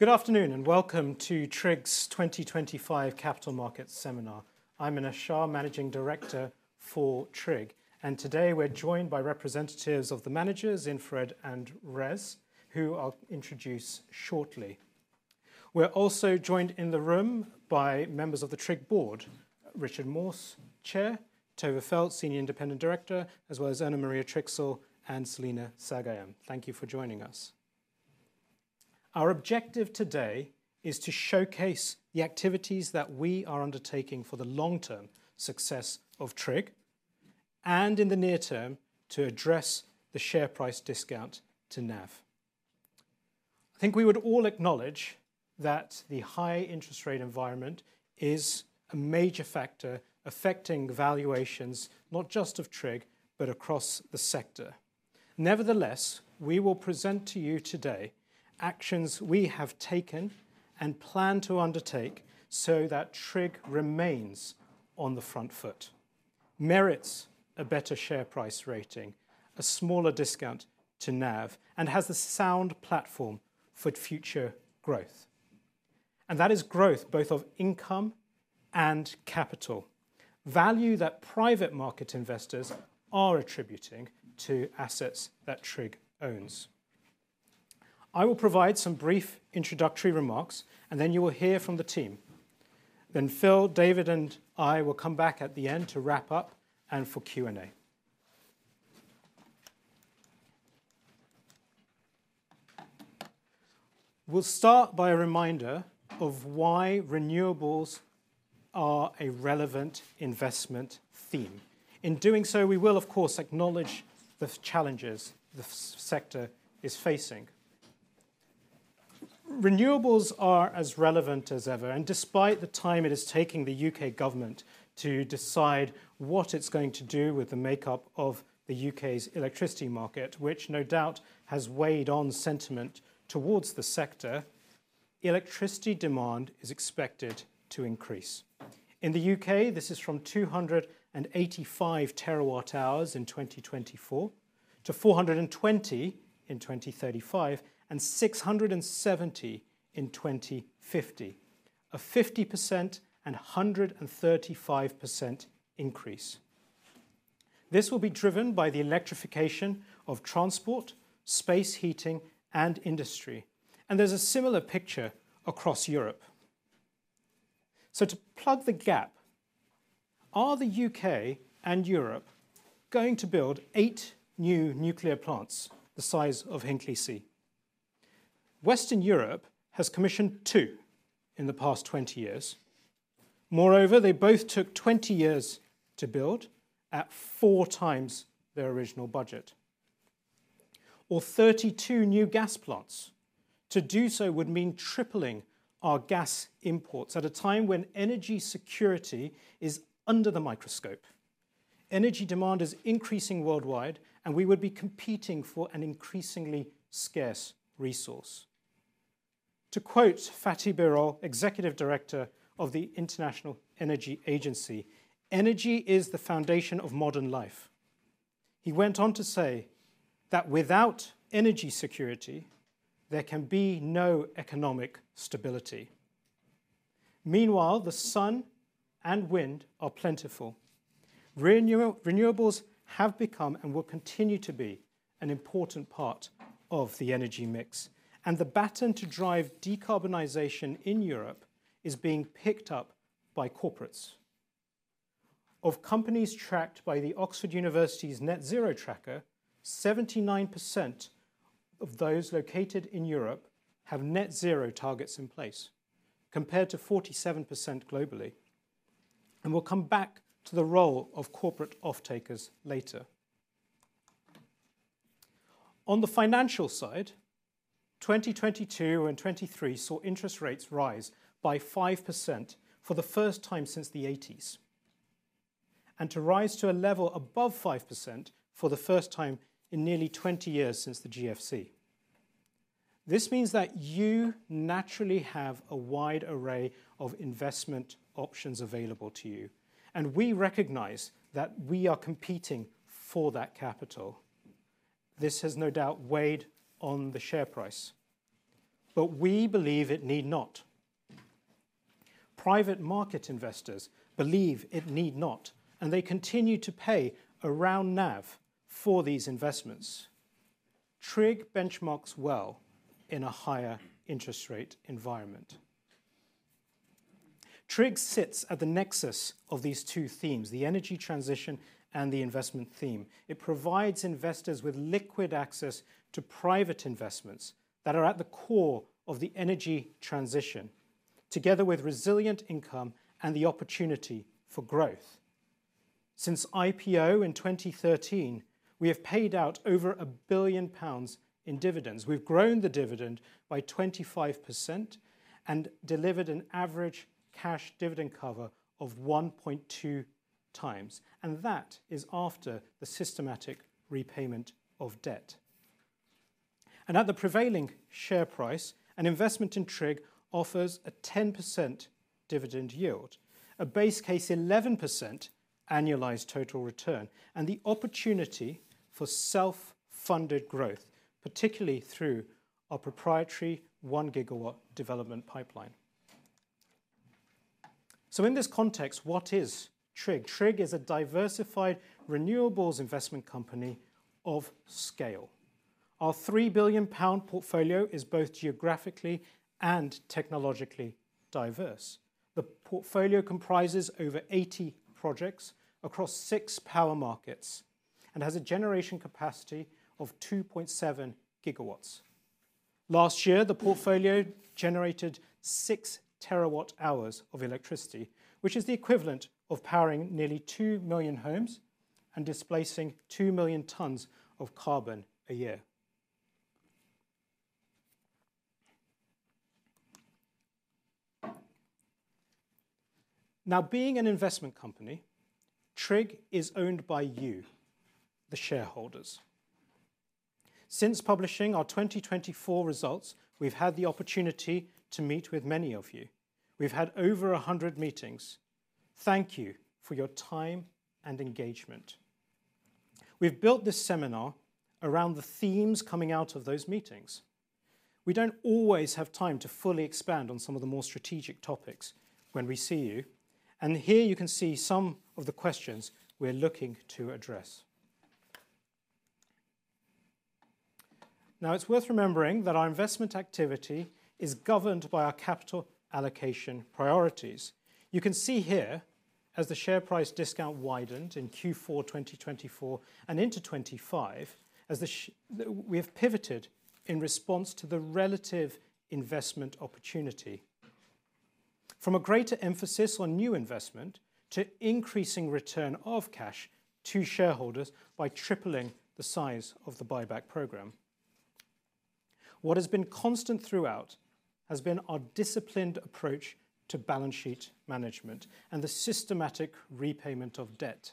Good afternoon and welcome to TRIG's 2025 Capital Markets Seminar. I'm Minesh Shah, Managing Director for TRIG, and today we're joined by representatives of the managers, InfraRed and RES, who I'll introduce shortly. We're also joined in the room by members of the TRIG board: Richard Morse, Chair; Tova Feld, Senior Independent Director; as well as Erna Maria Trixall and Celina Sagayan. Thank you for joining us. Our objective today is to showcase the activities that we are undertaking for the long-term success of TRIG, and in the near term to address the share price discount to NAV. I think we would all acknowledge that the high interest rate environment is a major factor affecting valuations, not just of TRIG, but across the sector. Nevertheless, we will present to you today actions we have taken and plan to undertake so that TRIG remains on the front foot, merits a better share price rating, a smaller discount to NAV, and has a sound platform for future growth. That is growth both of income and capital, value that private market investors are attributing to assets that TRIG owns. I will provide some brief introductory remarks, and then you will hear from the team. Phil, David, and I will come back at the end to wrap up and for Q&A. We'll start by a reminder of why renewables are a relevant investment theme. In doing so, we will, of course, acknowledge the challenges the sector is facing. Renewables are as relevant as ever, and despite the time it is taking the U.K. government to decide what it's going to do with the makeup of the U.K.'s electricity market, which no doubt has weighed on sentiment towards the sector, electricity demand is expected to increase. In the U.K., this is from 285 terawatt hours in 2024 to 420 in 2035 and 670 in 2050, a 50% and 135% increase. This will be driven by the electrification of transport, space heating, and industry, and there's a similar picture across Europe. To plug the gap, are the U.K. and Europe going to build eight new nuclear plants the size of Hinckley C? Western Europe has commissioned two in the past 20 years. Moreover, they both took 20 years to build, at four times their original budget. Or 32 new gas plants. To do so would mean tripling our gas imports at a time when energy security is under the microscope. Energy demand is increasing worldwide, and we would be competing for an increasingly scarce resource. To quote Fatih Birol, Executive Director of the International Energy Agency, "Energy is the foundation of modern life." He went on to say that without energy security, there can be no economic stability. Meanwhile, the sun and wind are plentiful. Renewables have become and will continue to be an important part of the energy mix, and the baton to drive decarbonisation in Europe is being picked up by corporates. Of companies tracked by the Oxford University Net Zero Tracker, 79% of those located in Europe have net zero targets in place, compared to 47% globally. We will come back to the role of corporate off-takers later. On the financial side, 2022 and 2023 saw interest rates rise by 5% for the first time since the 1980s, and to rise to a level above 5% for the first time in nearly 20 years since the GFC. This means that you naturally have a wide array of investment options available to you, and we recognize that we are competing for that capital. This has no doubt weighed on the share price, but we believe it need not. Private market investors believe it need not, and they continue to pay around NAV for these investments. TRIG benchmarks well in a higher interest rate environment. TRIG sits at the nexus of these two themes, the energy transition and the investment theme. It provides investors with liquid access to private investments that are at the core of the energy transition, together with resilient income and the opportunity for growth. Since IPO in 2013, we have paid out over 1 billion pounds in dividends. We've grown the dividend by 25% and delivered an average cash dividend cover of 1.2 times, and that is after the systematic repayment of debt. At the prevailing share price, an investment in TRIG offers a 10% dividend yield, a base case 11% annualized total return, and the opportunity for self-funded growth, particularly through our proprietary 1 gigawatt development pipeline. In this context, what is TRIG? TRIG is a diversified renewables investment company of scale. Our 3 billion pound portfolio is both geographically and technologically diverse. The portfolio comprises over 80 projects across six power markets and has a generation capacity of 2.7 gigawatts. Last year, the portfolio generated 6 terawatt hours of electricity, which is the equivalent of powering nearly 2 million homes and displacing 2 million tonnes of carbon a year. Now, being an investment company, TRIG is owned by you, the shareholders. Since publishing our 2024 results, we've had the opportunity to meet with many of you. We've had over 100 meetings. Thank you for your time and engagement. We've built this seminar around the themes coming out of those meetings. We don't always have time to fully expand on some of the more strategic topics when we see you, and here you can see some of the questions we're looking to address. Now, it's worth remembering that our investment activity is governed by our capital allocation priorities. You can see here, as the share price discount widened in Q4 2024 and into 2025, as we have pivoted in response to the relative investment opportunity, from a greater emphasis on new investment to increasing return of cash to shareholders by tripling the size of the buyback programme. What has been constant throughout has been our disciplined approach to balance sheet management and the systematic repayment of debt.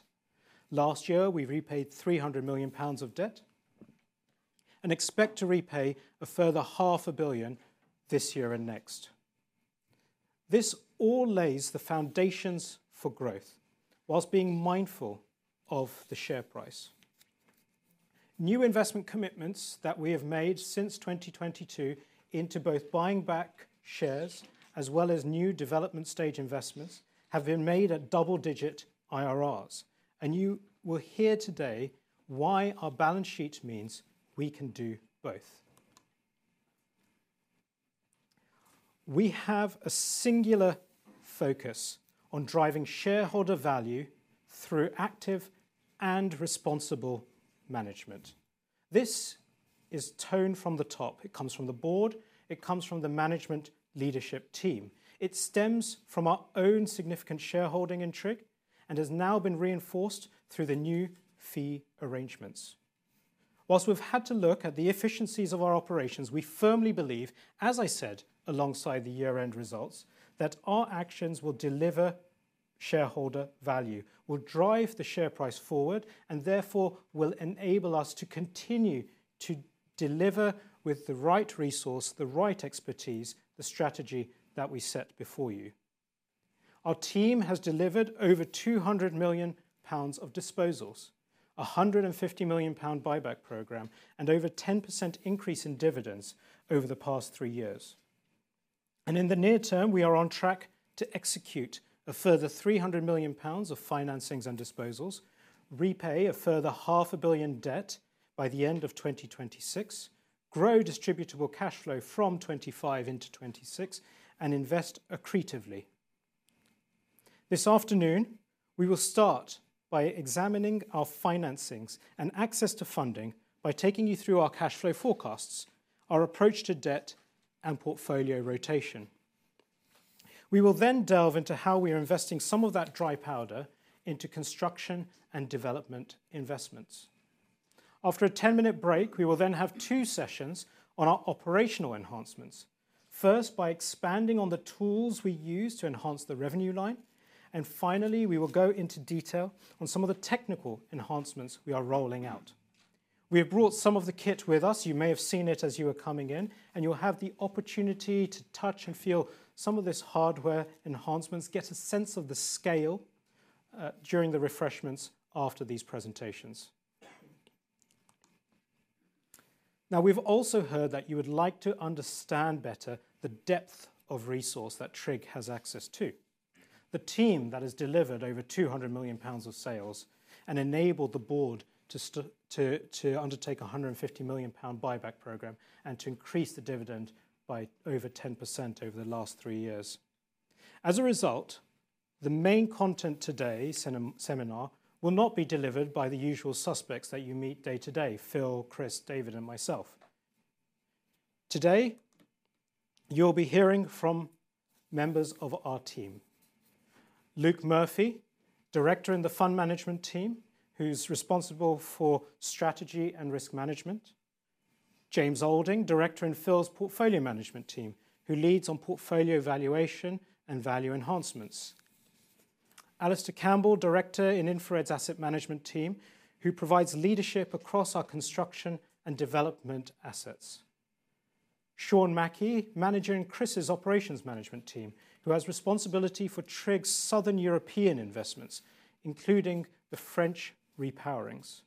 Last year, we repaid 300 million pounds of debt and expect to repay a further 500 million this year and next. This all lays the foundations for growth whilst being mindful of the share price. New investment commitments that we have made since 2022 into both buying back shares as well as new development stage investments have been made at double-digit IRRs, and you will hear today why our balance sheet means we can do both. We have a singular focus on driving shareholder value through active and responsible management. This is tone from the top. It comes from the board. It comes from the management leadership team. It stems from our own significant shareholding in The Renewables Infrastructure Group and has now been reinforced through the new fee arrangements. Whilst we've had to look at the efficiencies of our operations, we firmly believe, as I said alongside the year-end results, that our actions will deliver shareholder value, will drive the share price forward, and therefore will enable us to continue to deliver with the right resource, the right expertise, the strategy that we set before you. Our team has delivered over 200 million pounds of disposals, a 150 million pound buyback program, and over a 10% increase in dividends over the past three years. In the near term, we are on track to execute a further 300 million pounds of financings and disposals, repay a further 500 million debt by the end of 2026, grow distributable cash flow from 2025 into 2026, and invest accretively. This afternoon, we will start by examining our financings and access to funding by taking you through our cash flow forecasts, our approach to debt, and portfolio rotation. We will then delve into how we are investing some of that dry powder into construction and development investments. After a 10-minute break, we will then have two sessions on our operational enhancements, first by expanding on the tools we use to enhance the revenue line, and finally, we will go into detail on some of the technical enhancements we are rolling out. We have brought some of the kit with us. You may have seen it as you were coming in, and you'll have the opportunity to touch and feel some of these hardware enhancements, get a sense of the scale during the refreshments after these presentations. Now, we've also heard that you would like to understand better the depth of resource that TRIG has access to, the team that has delivered over 200 million pounds of sales and enabled the board to undertake a 150 million pound buyback programme and to increase the dividend by over 10% over the last three years. As a result, the main content of today's seminar will not be delivered by the usual suspects that you meet day to day: Phil, Chris, David, and myself. Today, you'll be hearing from members of our team: Luke Murphy, Director in the Fund Management Team, who's responsible for strategy and risk management; James Olding, Director in Phil's Portfolio Management Team, who leads on portfolio valuation and value enhancements; Alastair Campbell, Director in InfraRed Asset Management Team, who provides leadership across our construction and development assets; Sean Mackie, Manager in Chris's Operations Management Team, who has responsibility for TRIG's Southern European investments, including the French repowerings;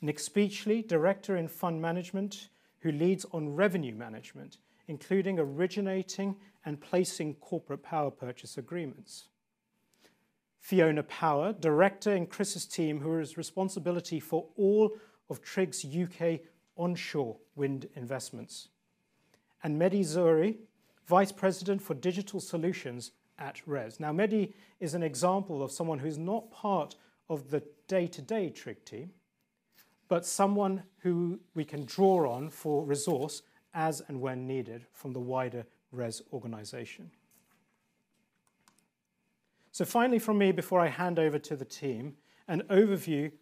Nick Speechley, Director in Fund Management, who leads on revenue management, including originating and placing corporate power purchase agreements; Fiona Power, Director in Chris's Team, who has responsibility for all of TRIG's U.K. onshore wind investments; and Mehdi Zohuri, Vice President for Digital Solutions at RES. Now, Mehdi is an example of someone who's not part of the day-to-day TRG team, but someone who we can draw on for resource as and when needed from the wider RES organization. Finally, from me, before I hand over to the team, an overview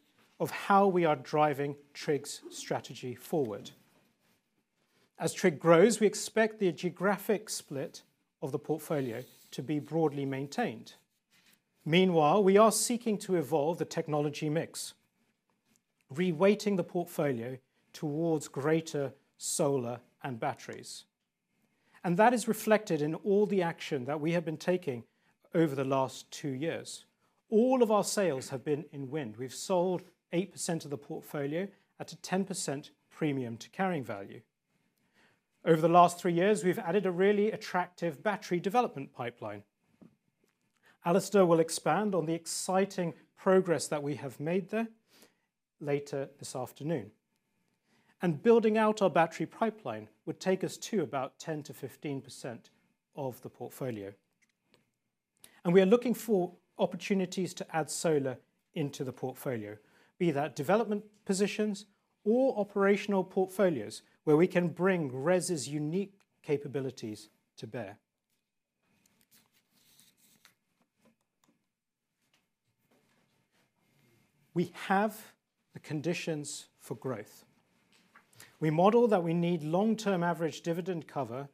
of how we are driving TRG's strategy forward. As TRG grows, we expect the geographic split of the portfolio to be broadly maintained. Meanwhile, we are seeking to evolve the technology mix, reweighting the portfolio towards greater solar and batteries, and that is reflected in all the action that we have been taking over the last two years. All of our sales have been in wind. We've sold 8% of the portfolio at a 10% premium to carrying value. Over the last three years, we've added a really attractive battery development pipeline. Alastair will expand on the exciting progress that we have made there later this afternoon. Building out our battery pipeline would take us to about 10-15% of the portfolio. We are looking for opportunities to add solar into the portfolio, be that development positions or operational portfolios where we can bring RES's unique capabilities to bear. We have the conditions for growth. We model that we need long-term average dividend cover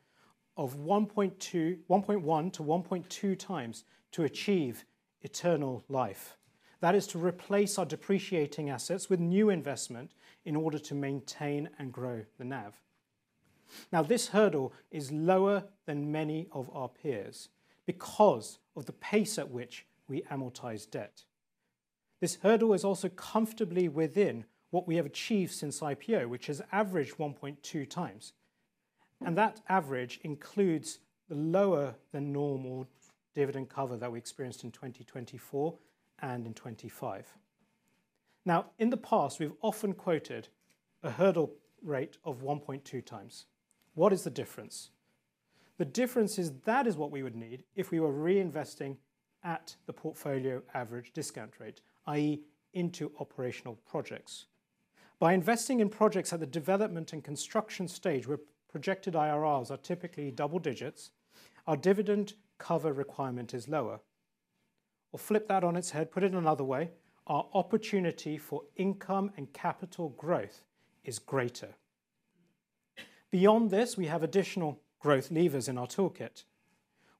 of 1.1-1.2 times to achieve eternal life. That is to replace our depreciating assets with new investment in order to maintain and grow the NAV. This hurdle is lower than many of our peers because of the pace at which we amortize debt. This hurdle is also comfortably within what we have achieved since IPO, which has averaged 1.2 times, and that average includes the lower than normal dividend cover that we experienced in 2024 and in 2025. Now, in the past, we have often quoted a hurdle rate of 1.2 times. What is the difference? The difference is that is what we would need if we were reinvesting at the portfolio average discount rate, i.e., into operational projects. By investing in projects at the development and construction stage, where projected IRRs are typically double digits, our dividend cover requirement is lower. Or flip that on its head, put it another way, our opportunity for income and capital growth is greater. Beyond this, we have additional growth levers in our toolkit.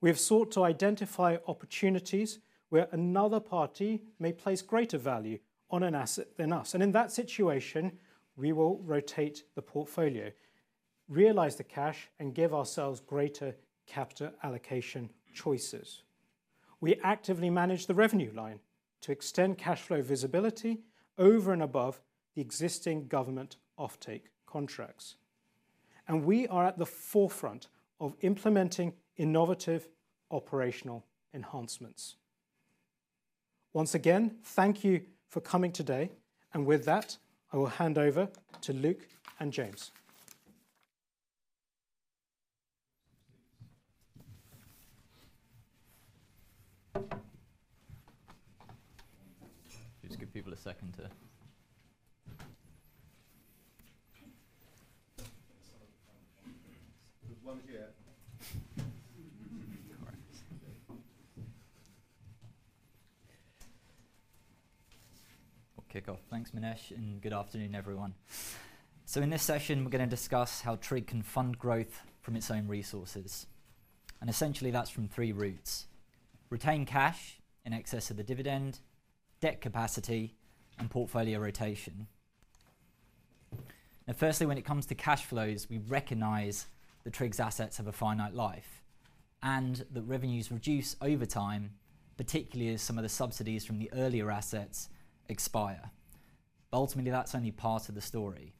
We have sought to identify opportunities where another party may place greater value on an asset than us, and in that situation, we will rotate the portfolio, realize the cash, and give ourselves greater capital allocation choices. We actively manage the revenue line to extend cash flow visibility over and above the existing government offtake contracts, and we are at the forefront of implementing innovative operational enhancements. Once again, thank you for coming today, and with that, I will hand over to Luke and James. Just give people a second to... We'll kick off. Thanks, Minesh, and good afternoon, everyone. In this session, we're going to discuss how TRIG can fund growth from its own resources, and essentially, that's from three routes: retained cash in excess of the dividend, debt capacity, and portfolio rotation. Now, firstly, when it comes to cash flows, we recognize that TRIG's assets have a finite life and that revenues reduce over time, particularly as some of the subsidies from the earlier assets expire. Ultimately, that is only part of the story,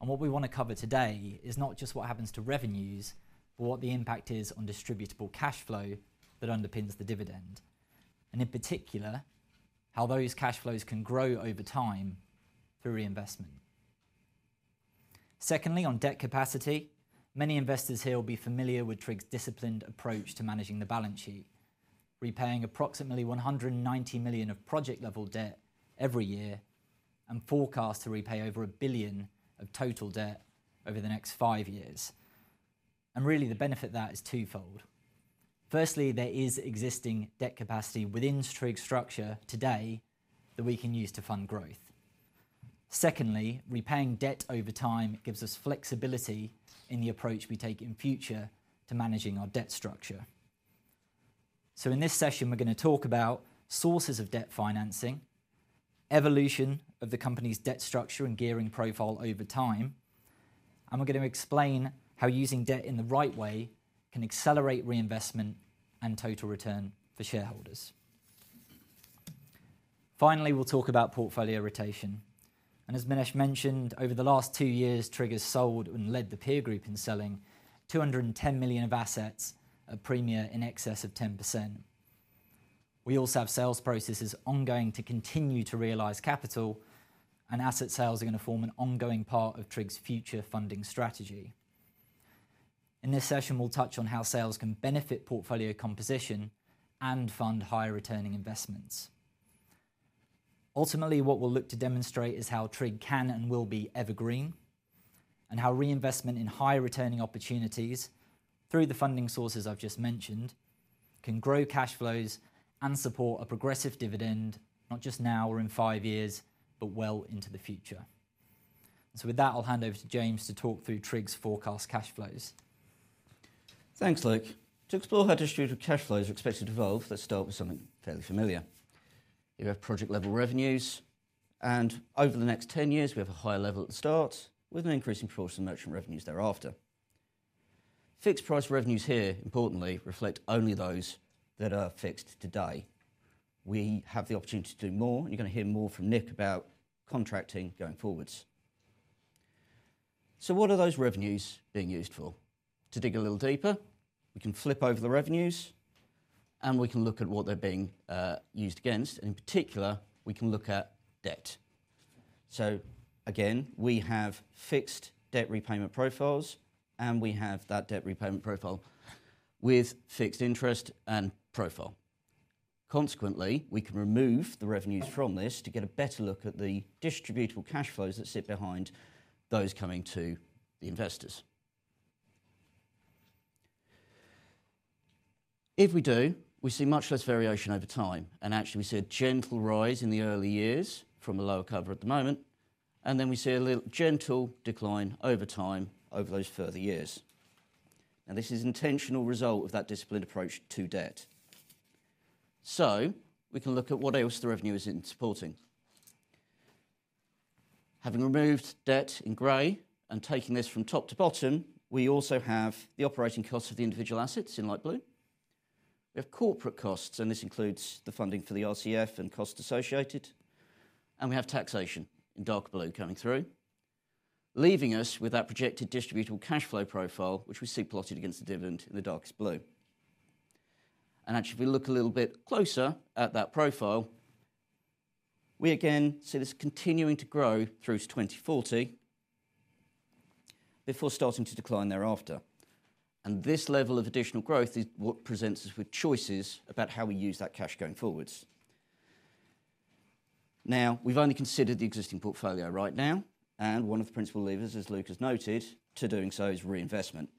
and what we want to cover today is not just what happens to revenues, but what the impact is on distributable cash flow that underpins the dividend, and in particular, how those cash flows can grow over time through reinvestment. Secondly, on debt capacity, many investors here will be familiar with TRIG's disciplined approach to managing the balance sheet, repaying approximately 190 million of project-level debt every year and forecast to repay over 1 billion of total debt over the next five years. Really, the benefit of that is twofold. Firstly, there is existing debt capacity within TRIG's structure today that we can use to fund growth. Secondly, repaying debt over time gives us flexibility in the approach we take in future to managing our debt structure. In this session, we're going to talk about sources of debt financing, evolution of the company's debt structure and gearing profile over time, and we're going to explain how using debt in the right way can accelerate reinvestment and total return for shareholders. Finally, we'll talk about portfolio rotation, and as Minesh mentioned, over the last two years, TRIG has sold and led the peer group in selling 210 million of assets at a premia in excess of 10%. We also have sales processes ongoing to continue to realise capital, and asset sales are going to form an ongoing part of TRIG's future funding strategy. In this session, we'll touch on how sales can benefit portfolio composition and fund higher returning investments. Ultimately, what we'll look to demonstrate is how TRIG can and will be evergreen and how reinvestment in higher returning opportunities through the funding sources I've just mentioned can grow cash flows and support a progressive dividend, not just now or in five years, but well into the future. With that, I'll hand over to James to talk through TRIG's forecast cash flows. Thanks, Luke. To explore how distributable cash flows are expected to evolve, let's start with something fairly familiar. You have project-level revenues, and over the next 10 years, we have a higher level at the start with an increasing proportion of merchant revenues thereafter. Fixed price revenues here, importantly, reflect only those that are fixed today. We have the opportunity to do more, and you're going to hear more from Nick about contracting going forwards. What are those revenues being used for? To dig a little deeper, we can flip over the revenues, and we can look at what they're being used against, and in particular, we can look at debt. Again, we have fixed debt repayment profiles, and we have that debt repayment profile with fixed interest and profile. Consequently, we can remove the revenues from this to get a better look at the distributable cash flows that sit behind those coming to the investors. If we do, we see much less variation over time, and actually, we see a gentle rise in the early years from a lower cover at the moment, and then we see a little gentle decline over time over those further years. Now, this is an intentional result of that disciplined approach to debt. We can look at what else the revenue is in supporting. Having removed debt in grey and taking this from top to bottom, we also have the operating costs of the individual assets in light blue. We have corporate costs, and this includes the funding for the RCF and costs associated, and we have taxation in dark blue coming through, leaving us with that projected distributable cash flow profile, which we see plotted against the dividend in the darkest blue. If we look a little bit closer at that profile, we again see this continuing to grow through to 2040 before starting to decline thereafter, and this level of additional growth is what presents us with choices about how we use that cash going forwards. Now, we've only considered the existing portfolio right now, and one of the principal levers, as Luke has noted, to doing so is reinvestment.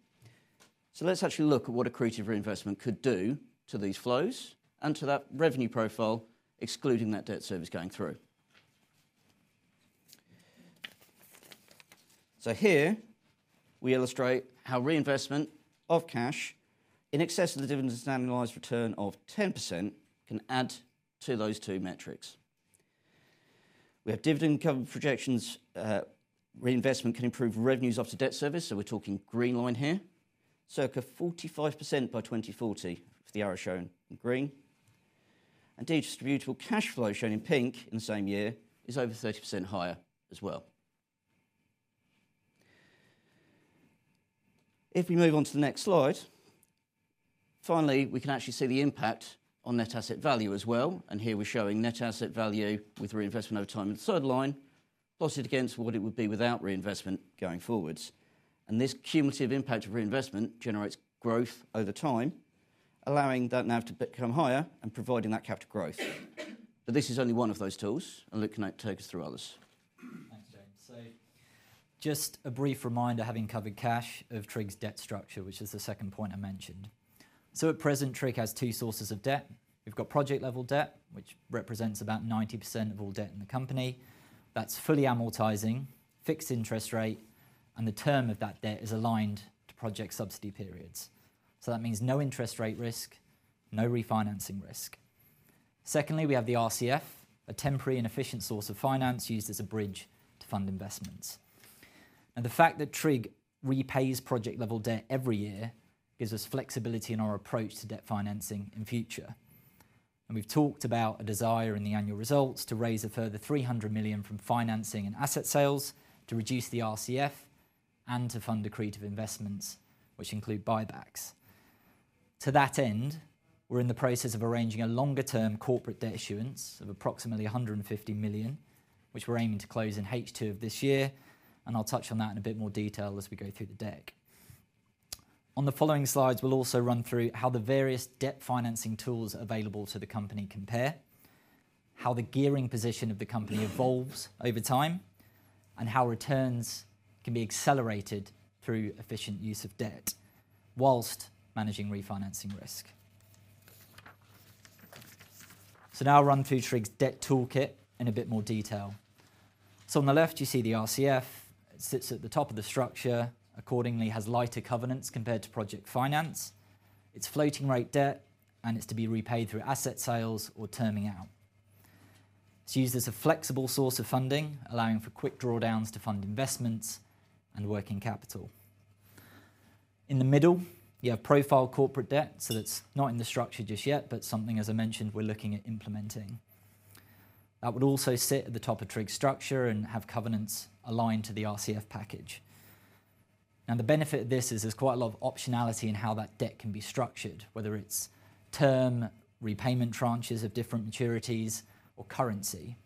Let's actually look at what accretive reinvestment could do to these flows and to that revenue profile, excluding that debt service going through. Here, we illustrate how reinvestment of cash in excess of the dividend standardized return of 10% can add to those two metrics. We have dividend cover projections. Reinvestment can improve revenues after debt service, so we're talking green line here, circa 45% by 2040 for the arrow shown in green, and the distributable cash flow shown in pink in the same year is over 30% higher as well. If we move on to the next slide, finally, we can actually see the impact on net asset value as well, and here we're showing net asset value with reinvestment over time in the third line, plotted against what it would be without reinvestment going forwards, and this cumulative impact of reinvestment generates growth over time, allowing that NAV to become higher and providing that capital growth. This is only one of those tools, and Luke can take us through others. Thanks, James. Just a brief reminder, having covered cash of TRIG's debt structure, which is the second point I mentioned. At present, TRIG has two sources of debt. We've got project-level debt, which represents about 90% of all debt in the company. That's fully amortizing, fixed interest rate, and the term of that debt is aligned to project subsidy periods. That means no interest rate risk, no refinancing risk. Secondly, we have the RCF, a temporary and efficient source of finance used as a bridge to fund investments. Now, the fact that TRIG repays project-level debt every year gives us flexibility in our approach to debt financing in future, and we've talked about a desire in the annual results to raise a further 300 million from financing and asset sales to reduce the RCF and to fund accretive investments, which include buybacks. To that end, we're in the process of arranging a longer-term corporate debt issuance of approximately 150 million, which we're aiming to close in H2 of this year, and I'll touch on that in a bit more detail as we go through the deck. On the following slides, we'll also run through how the various debt financing tools available to the company compare, how the gearing position of the company evolves over time, and how returns can be accelerated through efficient use of debt whilst managing refinancing risk. Now I'll run through TRIG's debt toolkit in a bit more detail. On the left, you see the RCF. It sits at the top of the structure and accordingly has lighter covenants compared to project finance. It's floating rate debt, and it's to be repaid through asset sales or terming out. It's used as a flexible source of funding, allowing for quick drawdowns to fund investments and working capital. In the middle, you have profile corporate debt, so that's not in the structure just yet, but something, as I mentioned, we're looking at implementing. That would also sit at the top of TRG's structure and have covenants aligned to the RCF package. Now, the benefit of this is there's quite a lot of optionality in how that debt can be structured, whether it's term repayment tranches of different maturities or currency,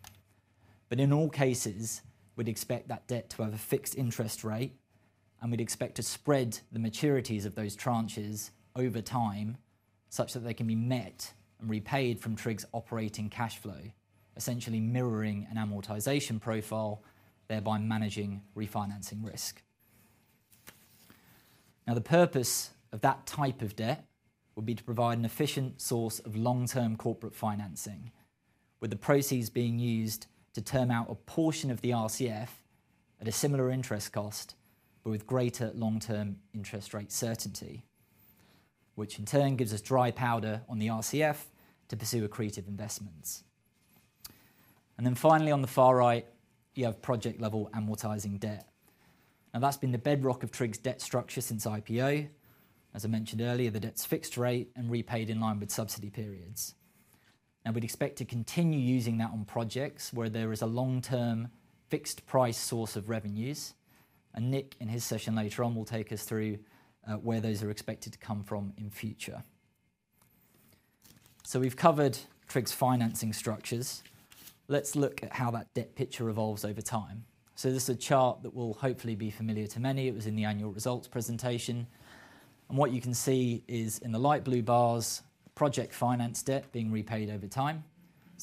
but in all cases, we'd expect that debt to have a fixed interest rate, and we'd expect to spread the maturities of those tranches over time such that they can be met and repaid from TRG's operating cash flow, essentially mirroring an amortisation profile, thereby managing refinancing risk. Now, the purpose of that type of debt would be to provide an efficient source of long-term corporate financing, with the proceeds being used to term out a portion of the RCF at a similar interest cost, but with greater long-term interest rate certainty, which in turn gives us dry powder on the RCF to pursue accretive investments. Finally, on the far right, you have project-level amortising debt. Now, that's been the bedrock of TRIG's debt structure since IPO. As I mentioned earlier, the debt's fixed rate and repaid in line with subsidy periods. We'd expect to continue using that on projects where there is a long-term fixed price source of revenues, and Nick in his session later on will take us through where those are expected to come from in future. We have covered TRIG's financing structures. Let's look at how that debt picture evolves over time. This is a chart that will hopefully be familiar to many. It was in the annual results presentation, and what you can see is in the light blue bars, project finance debt being repaid over time,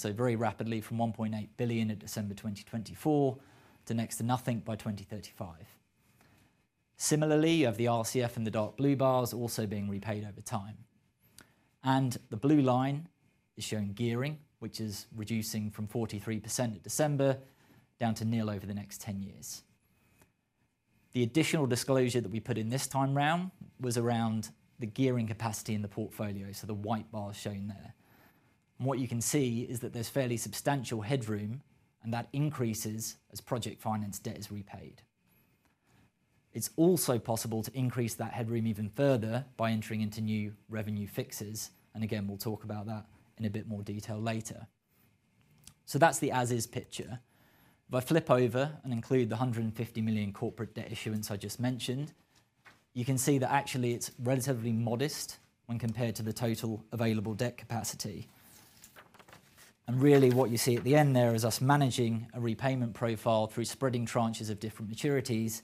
very rapidly from 1.8 billion at December 2024 to next to nothing by 2035. Similarly, you have the RCF in the dark blue bars also being repaid over time, and the blue line is showing gearing, which is reducing from 43% at December down to nearly zero over the next 10 years. The additional disclosure that we put in this time round was around the gearing capacity in the portfolio, so the white bars shown there. What you can see is that there's fairly substantial headroom, and that increases as project finance debt is repaid. It's also possible to increase that headroom even further by entering into new revenue fixes, and again, we'll talk about that in a bit more detail later. That's the as-is picture. If I flip over and include the 150 million corporate debt issuance I just mentioned, you can see that actually it's relatively modest when compared to the total available debt capacity. What you see at the end there is us managing a repayment profile through spreading tranches of different maturities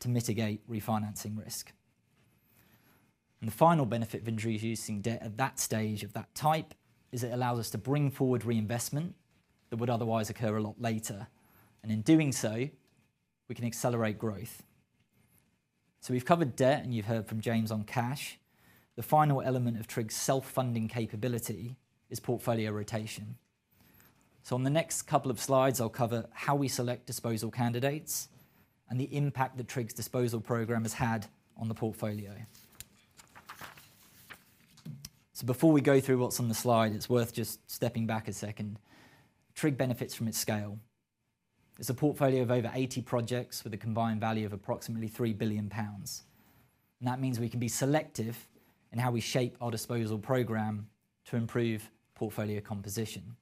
to mitigate refinancing risk. The final benefit of introducing debt at that stage of that type is it allows us to bring forward reinvestment that would otherwise occur a lot later, and in doing so, we can accelerate growth. We've covered debt, and you've heard from James on cash. The final element of TRIG's self-funding capability is portfolio rotation. On the next couple of slides, I'll cover how we select disposal candidates and the impact that TRIG's disposal program has had on the portfolio. Before we go through what's on the slide, it's worth just stepping back a second. TRIG benefits from its scale. It's a portfolio of over 80 projects with a combined value of approximately 3 billion pounds, and that means we can be selective in how we shape our disposal program to improve portfolio composition.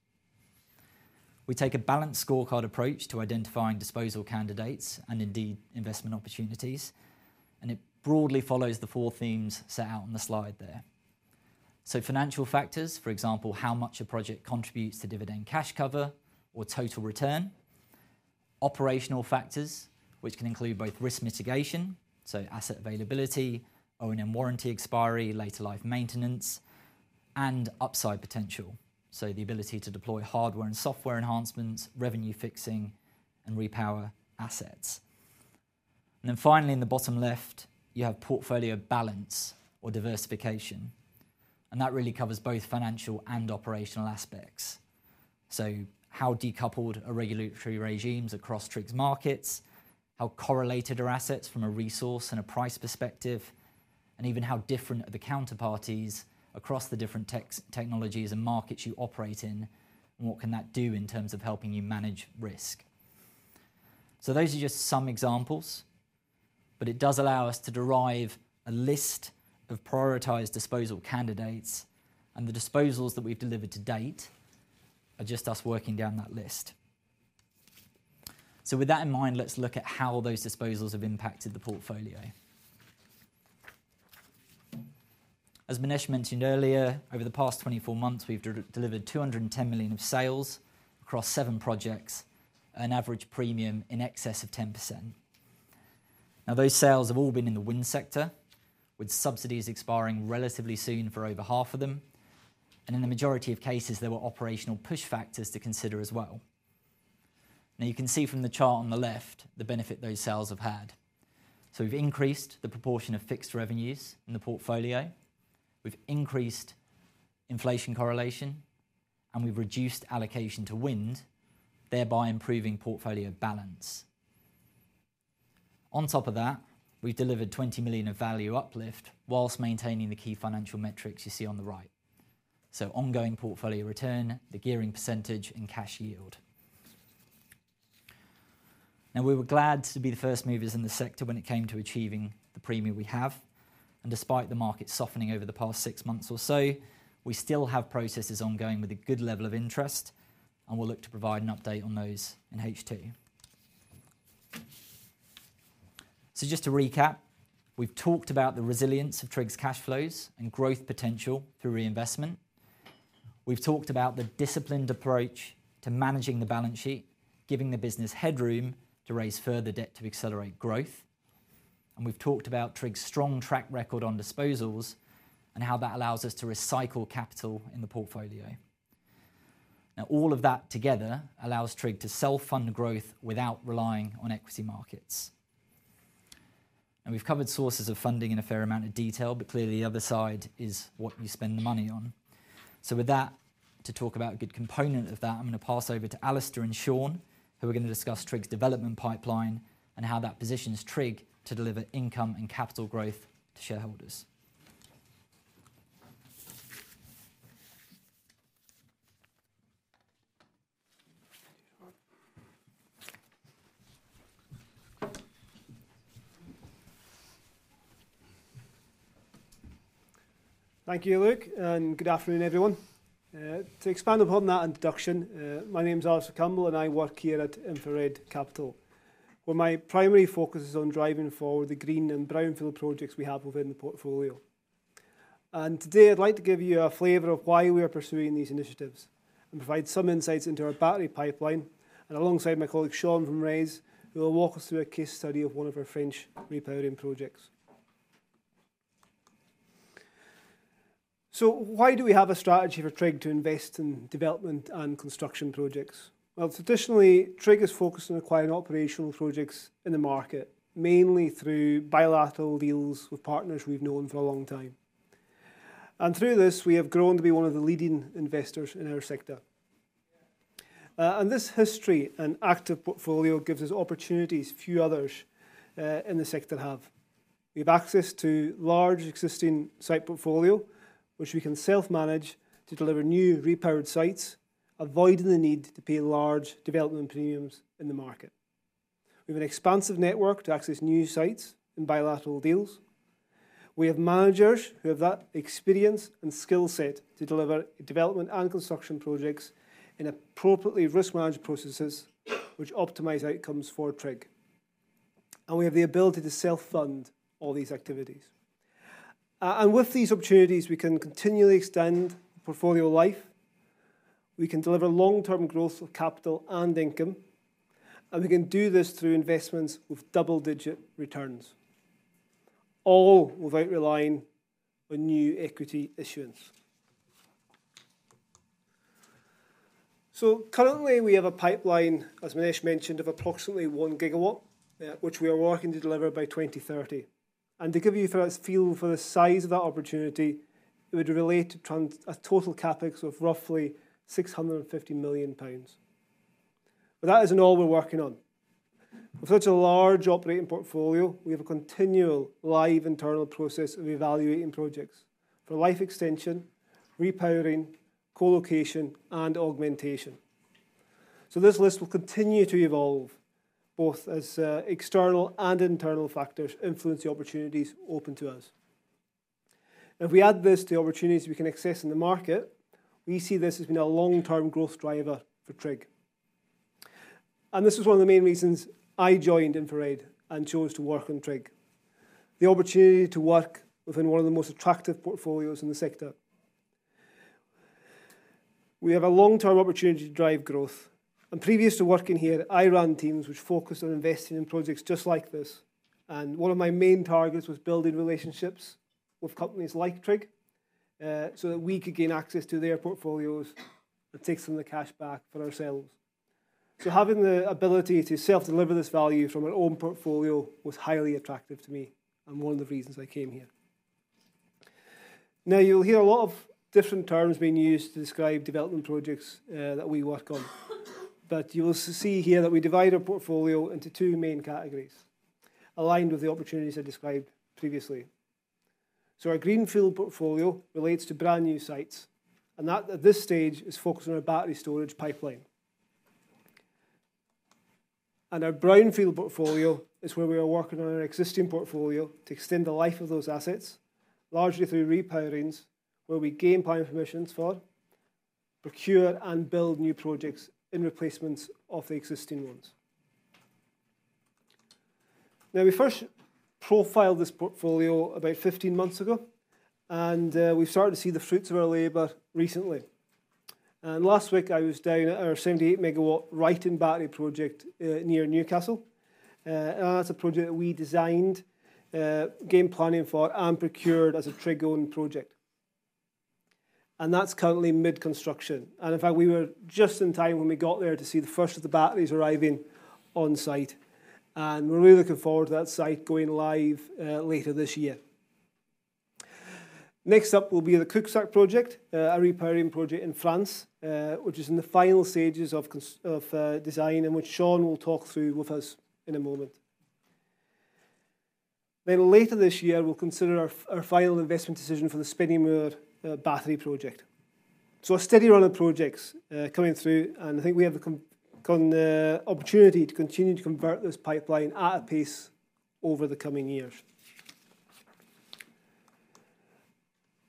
We take a balanced scorecard approach to identifying disposal candidates and indeed investment opportunities, and it broadly follows the four themes set out on the slide there. Financial factors, for example, how much a project contributes to dividend cash cover or total return. Operational factors, which can include both risk mitigation, so asset availability, O&M warranty expiry, later life maintenance, and upside potential, so the ability to deploy hardware and software enhancements, revenue fixing, and repower assets. Finally, in the bottom left, you have portfolio balance or diversification, and that really covers both financial and operational aspects. How decoupled are regulatory regimes across TRIG's markets, how correlated are assets from a resource and a price perspective, and even how different are the counterparties across the different technologies and markets you operate in, and what can that do in terms of helping you manage risk. Those are just some examples, but it does allow us to derive a list of prioritised disposal candidates, and the disposals that we've delivered to date are just us working down that list. With that in mind, let's look at how those disposals have impacted the portfolio. As Minesh mentioned earlier, over the past 24 months, we've delivered 210 million of sales across seven projects at an average premium in excess of 10%. Now, those sales have all been in the wind sector, with subsidies expiring relatively soon for over half of them, and in the majority of cases, there were operational push factors to consider as well. You can see from the chart on the left the benefit those sales have had. We've increased the proportion of fixed revenues in the portfolio, we've increased inflation correlation, and we've reduced allocation to wind, thereby improving portfolio balance. On top of that, we've delivered 20 million of value uplift whilst maintaining the key financial metrics you see on the right, so ongoing portfolio return, the gearing percentage, and cash yield. Now, we were glad to be the first movers in the sector when it came to achieving the premium we have, and despite the market softening over the past six months or so, we still have processes ongoing with a good level of interest, and we'll look to provide an update on those in H2. Just to recap, we've talked about the resilience of TRIG's cash flows and growth potential through reinvestment. We've talked about the disciplined approach to managing the balance sheet, giving the business headroom to raise further debt to accelerate growth, and we've talked about TRIG's strong track record on disposals and how that allows us to recycle capital in the portfolio. All of that together allows TRIG to self-fund growth without relying on equity markets. We have covered sources of funding in a fair amount of detail, but clearly the other side is what you spend the money on. With that, to talk about a good component of that, I am going to pass over to Alastair and Sean, who are going to discuss TRIG's development pipeline and how that positions TRIG to deliver income and capital growth to shareholders. Thank you, Luke, and good afternoon, everyone. To expand upon that introduction, my name is Alastair Campbell, and I work here at InfraRed, where my primary focus is on driving forward the green and brownfield projects we have within the portfolio. Today, I'd like to give you a flavor of why we are pursuing these initiatives and provide some insights into our battery pipeline, and alongside my colleague Sean from RES, who will walk us through a case study of one of our French repowering projects. Why do we have a strategy for TRIG to invest in development and construction projects? Traditionally, TRIG has focused on acquiring operational projects in the market, mainly through bilateral deals with partners we've known for a long time. Through this, we have grown to be one of the leading investors in our sector. This history and active portfolio give us opportunities few others in the sector have. We have access to a large existing site portfolio, which we can self-manage to deliver new repowered sites, avoiding the need to pay large development premiums in the market. We have an expansive network to access new sites and bilateral deals. We have managers who have that experience and skill set to deliver development and construction projects in appropriately risk-managed processes, which optimize outcomes for TRIG. We have the ability to self-fund all these activities. With these opportunities, we can continually extend the portfolio life, we can deliver long-term growth of capital and income, and we can do this through investments with double-digit returns, all without relying on new equity issuance. Currently, we have a pipeline, as Minesh mentioned, of approximately 1 gigawatt, which we are working to deliver by 2030. To give you a feel for the size of that opportunity, it would relate to a total CapEx of roughly 650 million pounds. That is not all we are working on. With such a large operating portfolio, we have a continual live internal process of evaluating projects for life extension, repowering, co-location, and augmentation. This list will continue to evolve, both as external and internal factors influence the opportunities open to us. If we add this to the opportunities we can access in the market, we see this as being a long-term growth driver for TRIG. This was one of the main reasons I joined InfraRed and chose to work on TRIG, the opportunity to work within one of the most attractive portfolios in the sector. We have a long-term opportunity to drive growth. Previous to working here, I ran teams which focused on investing in projects just like this, and one of my main targets was building relationships with companies like TRIG so that we could gain access to their portfolios and take some of the cash back for ourselves. Having the ability to self-deliver this value from our own portfolio was highly attractive to me and one of the reasons I came here. You will hear a lot of different terms being used to describe development projects that we work on, but you will see here that we divide our portfolio into two main categories, aligned with the opportunities I described previously. Our greenfield portfolio relates to brand new sites, and that at this stage is focused on our battery storage pipeline. Our brownfield portfolio is where we are working on our existing portfolio to extend the life of those assets, largely through repowerings, where we gain plan permissions for, procure, and build new projects in replacement of the existing ones. We first profiled this portfolio about 15 months ago, and we've started to see the fruits of our labor recently. Last week, I was down at our 78 MW Wrighton battery project near Newcastle. That's a project that we designed, gained planning for, and procured as a TRIG-owned project. That's currently mid-construction. In fact, we were just in time when we got there to see the first of the batteries arriving on site, and we're really looking forward to that site going live later this year. Next up will be the Cooksack project, a repowering project in France, which is in the final stages of design and which Sean will talk through with us in a moment. Later this year, we'll consider our final investment decision for the Spinningmower battery project. A steady run of projects is coming through, and I think we have the opportunity to continue to convert this pipeline at a pace over the coming years.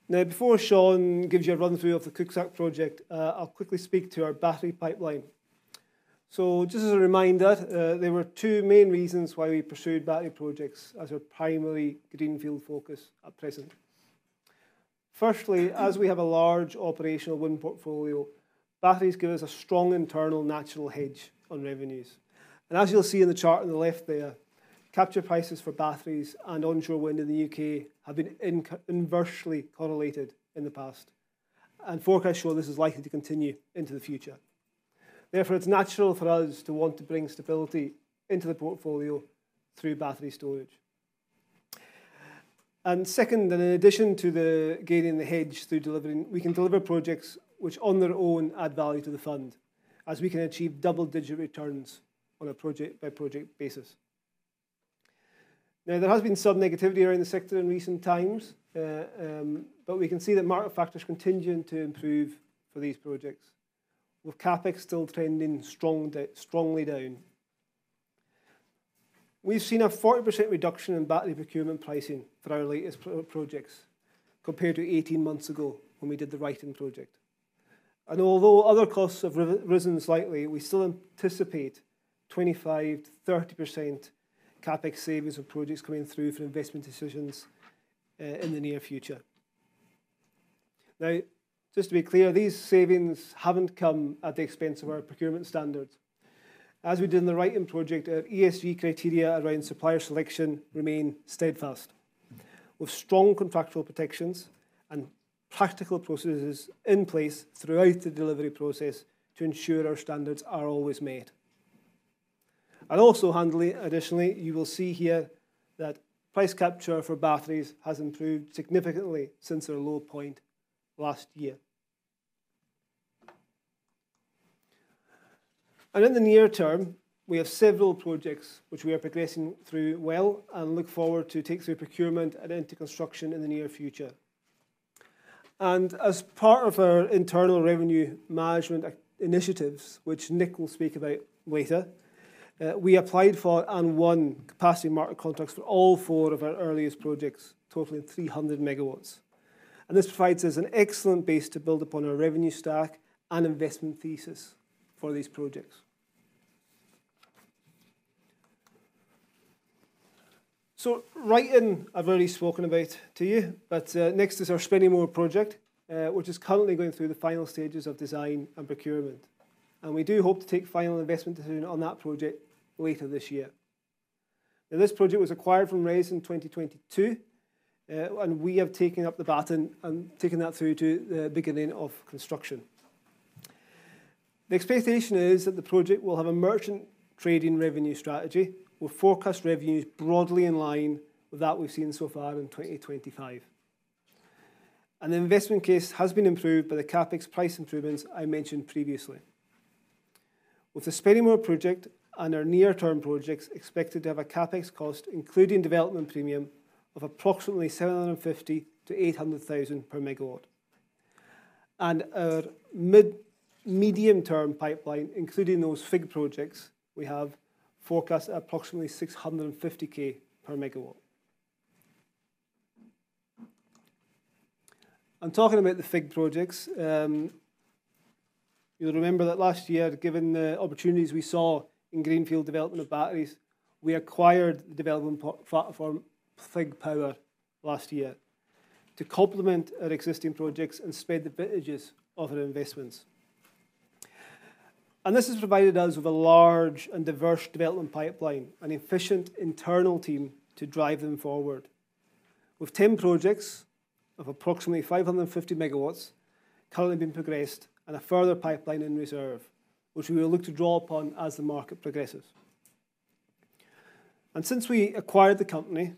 Now, before Sean gives you a run-through of the Cooksack project, I'll quickly speak to our battery pipeline. Just as a reminder, there were two main reasons why we pursued battery projects as our primary greenfield focus at present. Firstly, as we have a large operational wind portfolio, batteries give us a strong internal natural hedge on revenues. As you'll see in the chart on the left there, capture prices for batteries and onshore wind in the U.K. have been inversely correlated in the past, and forecasts show this is likely to continue into the future. Therefore, it's natural for us to want to bring stability into the portfolio through battery storage. Second, in addition to gaining the hedge through delivering, we can deliver projects which on their own add value to the fund, as we can achieve double-digit returns on a project-by-project basis. Now, there has been some negativity around the sector in recent times, but we can see that market factors continue to improve for these projects, with CapEx still trending strongly down. We've seen a 40% reduction in battery procurement pricing for our latest projects compared to 18 months ago when we did the Wrighton project. Although other costs have risen slightly, we still anticipate 25%-30% CapEx savings for projects coming through for investment decisions in the near future. Just to be clear, these savings have not come at the expense of our procurement standards. As we did in the Wrighton project, our ESG criteria around supplier selection remain steadfast, with strong contractual protections and practical processes in place throughout the delivery process to ensure our standards are always met. Additionally, you will see here that price capture for batteries has improved significantly since our low point last year. In the near term, we have several projects which we are progressing through well and look forward to taking through procurement and into construction in the near future. As part of our internal revenue management initiatives, which Nick will speak about later, we applied for and won capacity market contracts for all four of our earliest projects, totaling 300 megawatts. This provides us an excellent base to build upon our revenue stack and investment thesis for these projects. Wrighton I have already spoken about to you, but next is our Spinningmower project, which is currently going through the final stages of design and procurement. We do hope to take final investment decisions on that project later this year. This project was acquired from RAISE in 2022, and we have taken up the baton and taken that through to the beginning of construction. The expectation is that the project will have a merchant trading revenue strategy with forecast revenues broadly in line with that we have seen so far in 2025. The investment case has been improved by the CapEx price improvements I mentioned previously. With the Spinningmower project and our near-term projects expected to have a CapEx cost, including development premium, of approximately 750,000-800,000 per megawatt. Our medium-term pipeline, including those FIG projects we have, forecasts at approximately 650,000 per megawatt. Talking about the FIG projects, you'll remember that last year, given the opportunities we saw in greenfield development of batteries, we acquired the development platform FIG Power last year to complement our existing projects and spread the bridges of our investments. This has provided us with a large and diverse development pipeline and efficient internal team to drive them forward, with 10 projects of approximately 550 megawatts currently being progressed and a further pipeline in reserve, which we will look to draw upon as the market progresses. Since we acquired the company,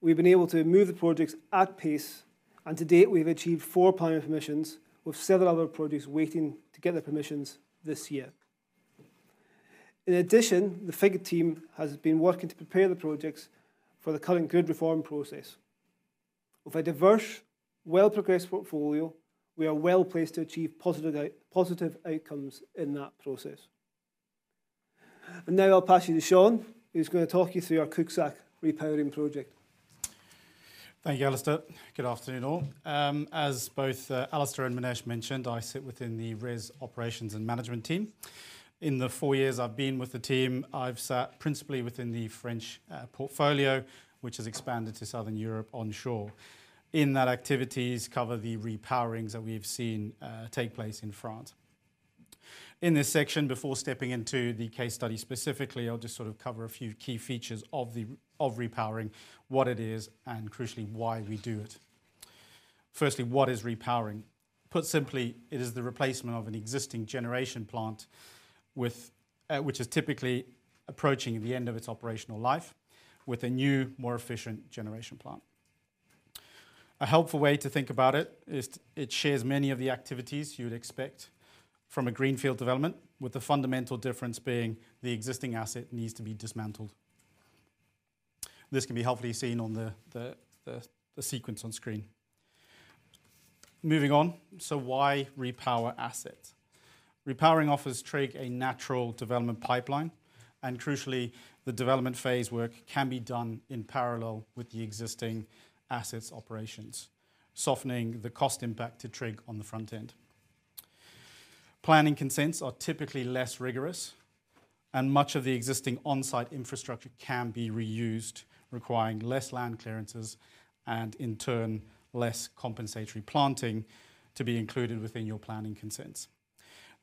we've been able to move the projects at pace, and to date, we've achieved four planning permissions, with several other projects waiting to get their permissions this year. In addition, the FIG team has been working to prepare the projects for the current grid reform process. With a diverse, well-progressed portfolio, we are well placed to achieve positive outcomes in that process. Now I'll pass you to Sean, who's going to talk you through our Cooksack repowering project. Thank you, Alastair. Good afternoon all. As both Alastair and Minesh mentioned, I sit within the RES operations and management team. In the four years I've been with the team, I've sat principally within the French portfolio, which has expanded to southern Europe onshore. In that, activities cover the repowerings that we've seen take place in France. In this section, before stepping into the case study specifically, I'll just sort of cover a few key features of repowering, what it is, and crucially, why we do it. Firstly, what is repowering? Put simply, it is the replacement of an existing generation plant, which is typically approaching the end of its operational life, with a new, more efficient generation plant. A helpful way to think about it is it shares many of the activities you would expect from a greenfield development, with the fundamental difference being the existing asset needs to be dismantled. This can be helpfully seen on the sequence on screen. Moving on, why repower assets? Repowering offers TRIG a natural development pipeline, and crucially, the development phase work can be done in parallel with the existing assets' operations, softening the cost impact to TRIG on the front end. Planning consents are typically less rigorous, and much of the existing onsite infrastructure can be reused, requiring less land clearances and, in turn, less compensatory planting to be included within your planning consents.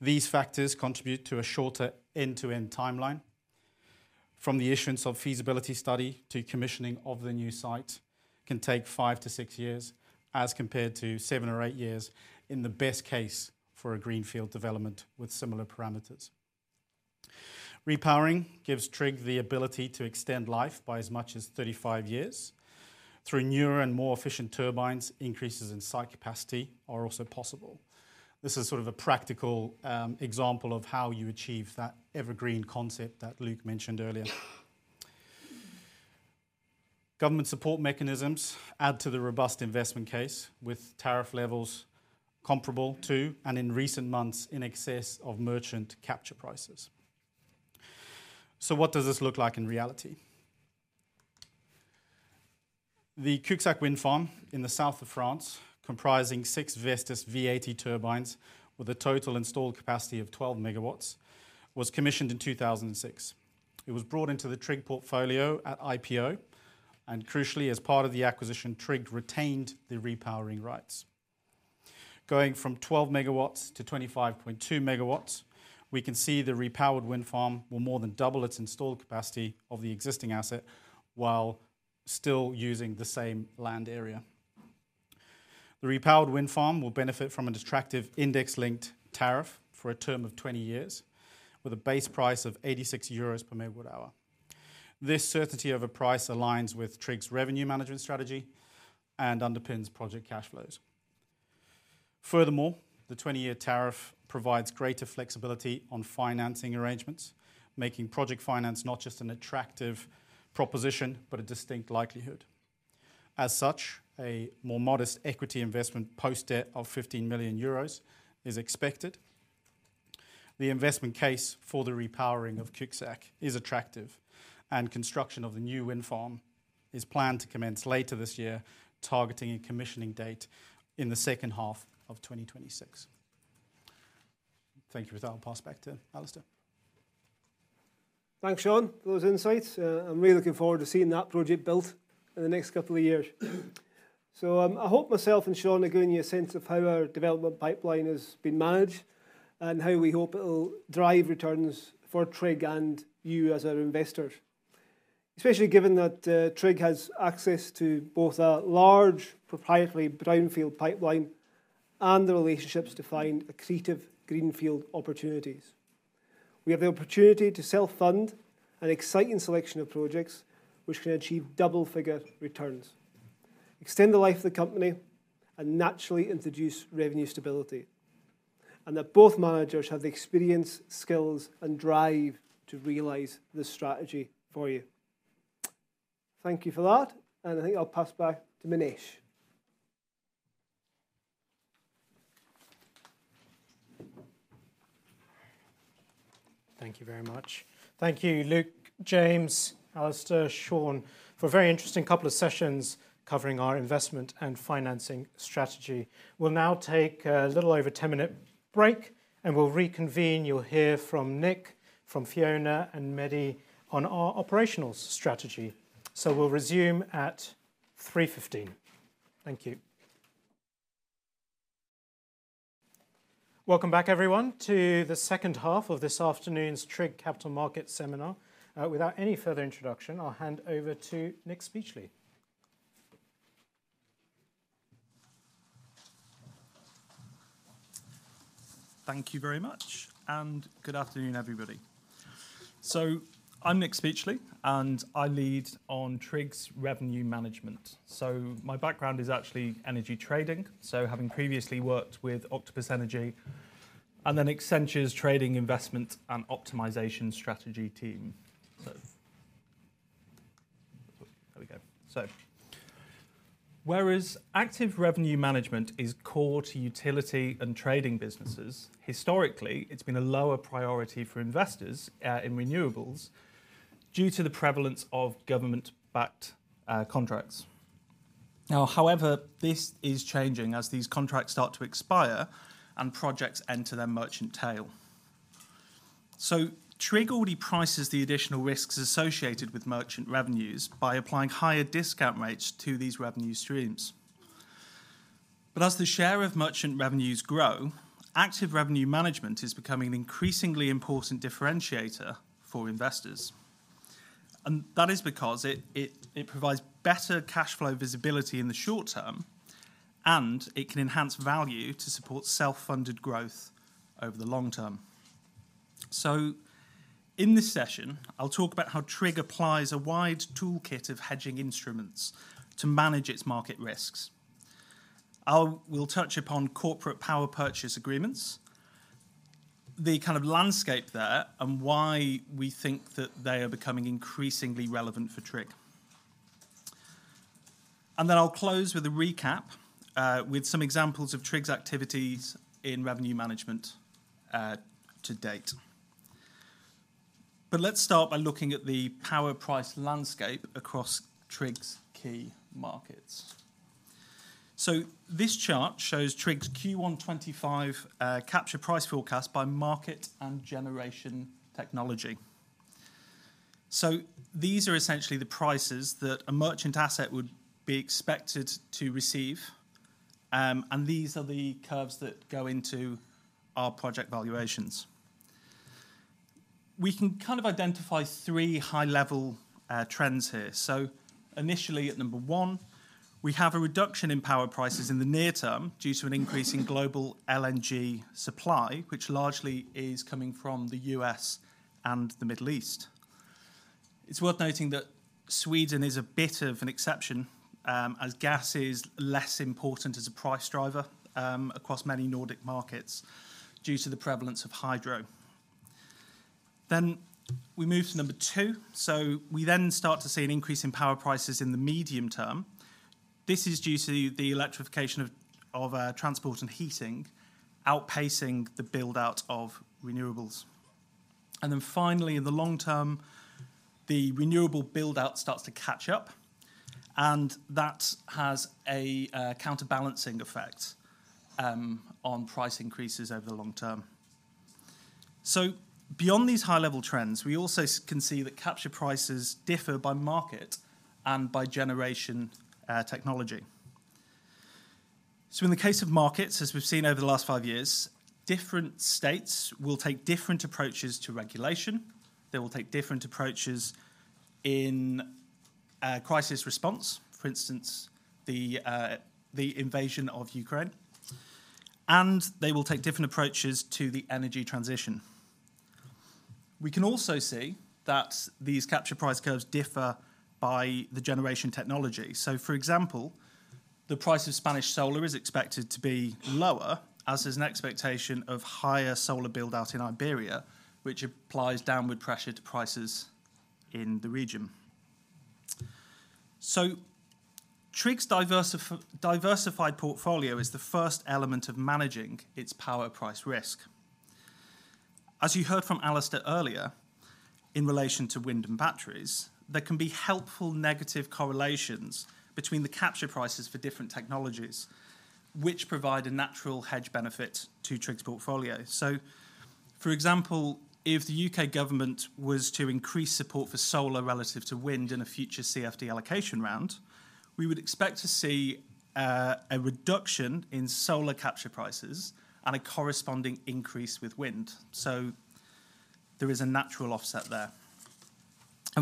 These factors contribute to a shorter end-to-end timeline. From the issuance of feasibility study to commissioning of the new site can take five to six years, as compared to seven or eight years in the best case for a greenfield development with similar parameters. Repowering gives TRG the ability to extend life by as much as 35 years. Through newer and more efficient turbines, increases in site capacity are also possible. This is sort of a practical example of how you achieve that evergreen concept that Luke mentioned earlier. Government support mechanisms add to the robust investment case, with tariff levels comparable to, and in recent months, in excess of merchant capture prices. What does this look like in reality? The Cooksack wind farm in the south of France, comprising six Vestas V80 turbines with a total installed capacity of 12 megawatts, was commissioned in 2006. It was brought into the TRIG portfolio at IPO, and crucially, as part of the acquisition, TRIG retained the repowering rights. Going from 12 megawatts to 25.2 megawatts, we can see the repowered wind farm will more than double its installed capacity of the existing asset while still using the same land area. The repowered wind farm will benefit from an attractive index-linked tariff for a term of 20 years, with a base price of 86 euros per megawatt hour. This certainty of a price aligns with TRIG's revenue management strategy and underpins project cash flows. Furthermore, the 20-year tariff provides greater flexibility on financing arrangements, making project finance not just an attractive proposition but a distinct likelihood. As such, a more modest equity investment post-debt of 15 million euros is expected. The investment case for the repowering of Cooksack is attractive, and construction of the new wind farm is planned to commence later this year, targeting a commissioning date in the second half of 2026. Thank you for that. I'll pass back to Alastair. Thanks, Sean, for those insights. I'm really looking forward to seeing that project built in the next couple of years. I hope myself and Sean are giving you a sense of how our development pipeline has been managed and how we hope it will drive returns for TRIG and you as our investors, especially given that TRIG has access to both a large proprietary brownfield pipeline and the relationships to find accretive greenfield opportunities. We have the opportunity to self-fund an exciting selection of projects which can achieve double-figure returns, extend the life of the company, and naturally introduce revenue stability, and that both managers have the experience, skills, and drive to realize this strategy for you. Thank you for that, and I think I'll pass back to Minesh. Thank you very much. Thank you, Luke, James, Alastair, Sean, for a very interesting couple of sessions covering our investment and financing strategy. We'll now take a little over 10-minute break, and we'll reconvene. You'll hear from Nick, from Fiona, and Mehdi on our operational strategy. We'll resume at 3:15 P.M. Thank you. Welcome back, everyone, to the second half of this afternoon's TRIG Capital Markets seminar. Without any further introduction, I'll hand over to Nick Speechley. Thank you very much, and good afternoon, everybody. I'm Nick Speechley, and I lead on TRIG's revenue management. My background is actually energy trading, so having previously worked with Octopus Energy and then Accenture's trading investment and optimisation strategy team. There we go. Whereas active revenue management is core to utility and trading businesses, historically, it's been a lower priority for investors in renewables due to the prevalence of government-backed contracts. Now, however, this is changing as these contracts start to expire and projects enter their merchant tale. TRG already prices the additional risks associated with merchant revenues by applying higher discount rates to these revenue streams. As the share of merchant revenues grow, active revenue management is becoming an increasingly important differentiator for investors. That is because it provides better cash flow visibility in the short term, and it can enhance value to support self-funded growth over the long term. In this session, I'll talk about how TRG applies a wide toolkit of hedging instruments to manage its market risks. We'll touch upon corporate power purchase agreements, the kind of landscape there, and why we think that they are becoming increasingly relevant for TRG. I'll close with a recap with some examples of TRG's activities in revenue management to date. Let's start by looking at the power price landscape across TRG's key markets. This chart shows TRIG's Q1 2025 capture price forecast by market and generation technology. These are essentially the prices that a merchant asset would be expected to receive, and these are the curves that go into our project valuations. We can kind of identify three high-level trends here. Initially, at number one, we have a reduction in power prices in the near term due to an increase in global LNG supply, which largely is coming from the U.S. and the Middle East. It is worth noting that Sweden is a bit of an exception as gas is less important as a price driver across many Nordic markets due to the prevalence of hydro. We move to number two. We then start to see an increase in power prices in the medium term. This is due to the electrification of transport and heating outpacing the build-out of renewables. In the long term, the renewable build-out starts to catch up, and that has a counterbalancing effect on price increases over the long term. Beyond these high-level trends, we also can see that capture prices differ by market and by generation technology. In the case of markets, as we've seen over the last five years, different states will take different approaches to regulation. They will take different approaches in crisis response, for instance, the invasion of Ukraine, and they will take different approaches to the energy transition. We can also see that these capture price curves differ by the generation technology. For example, the price of Spanish solar is expected to be lower, as is an expectation of higher solar build-out in Iberia, which applies downward pressure to prices in the region. TRG's diversified portfolio is the first element of managing its power price risk. As you heard from Alastair earlier, in relation to wind and batteries, there can be helpful negative correlations between the capture prices for different technologies, which provide a natural hedge benefit to TRG's portfolio. For example, if the U.K. government was to increase support for solar relative to wind in a future CFD allocation round, we would expect to see a reduction in solar capture prices and a corresponding increase with wind. There is a natural offset there.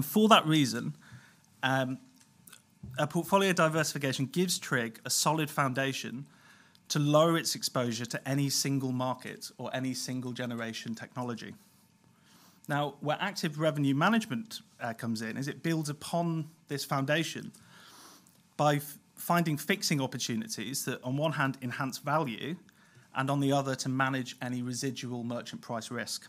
For that reason, portfolio diversification gives TRG a solid foundation to lower its exposure to any single market or any single generation technology. Now, where active revenue management comes in is it builds upon this foundation by finding fixing opportunities that, on one hand, enhance value and on the other, to manage any residual merchant price risk.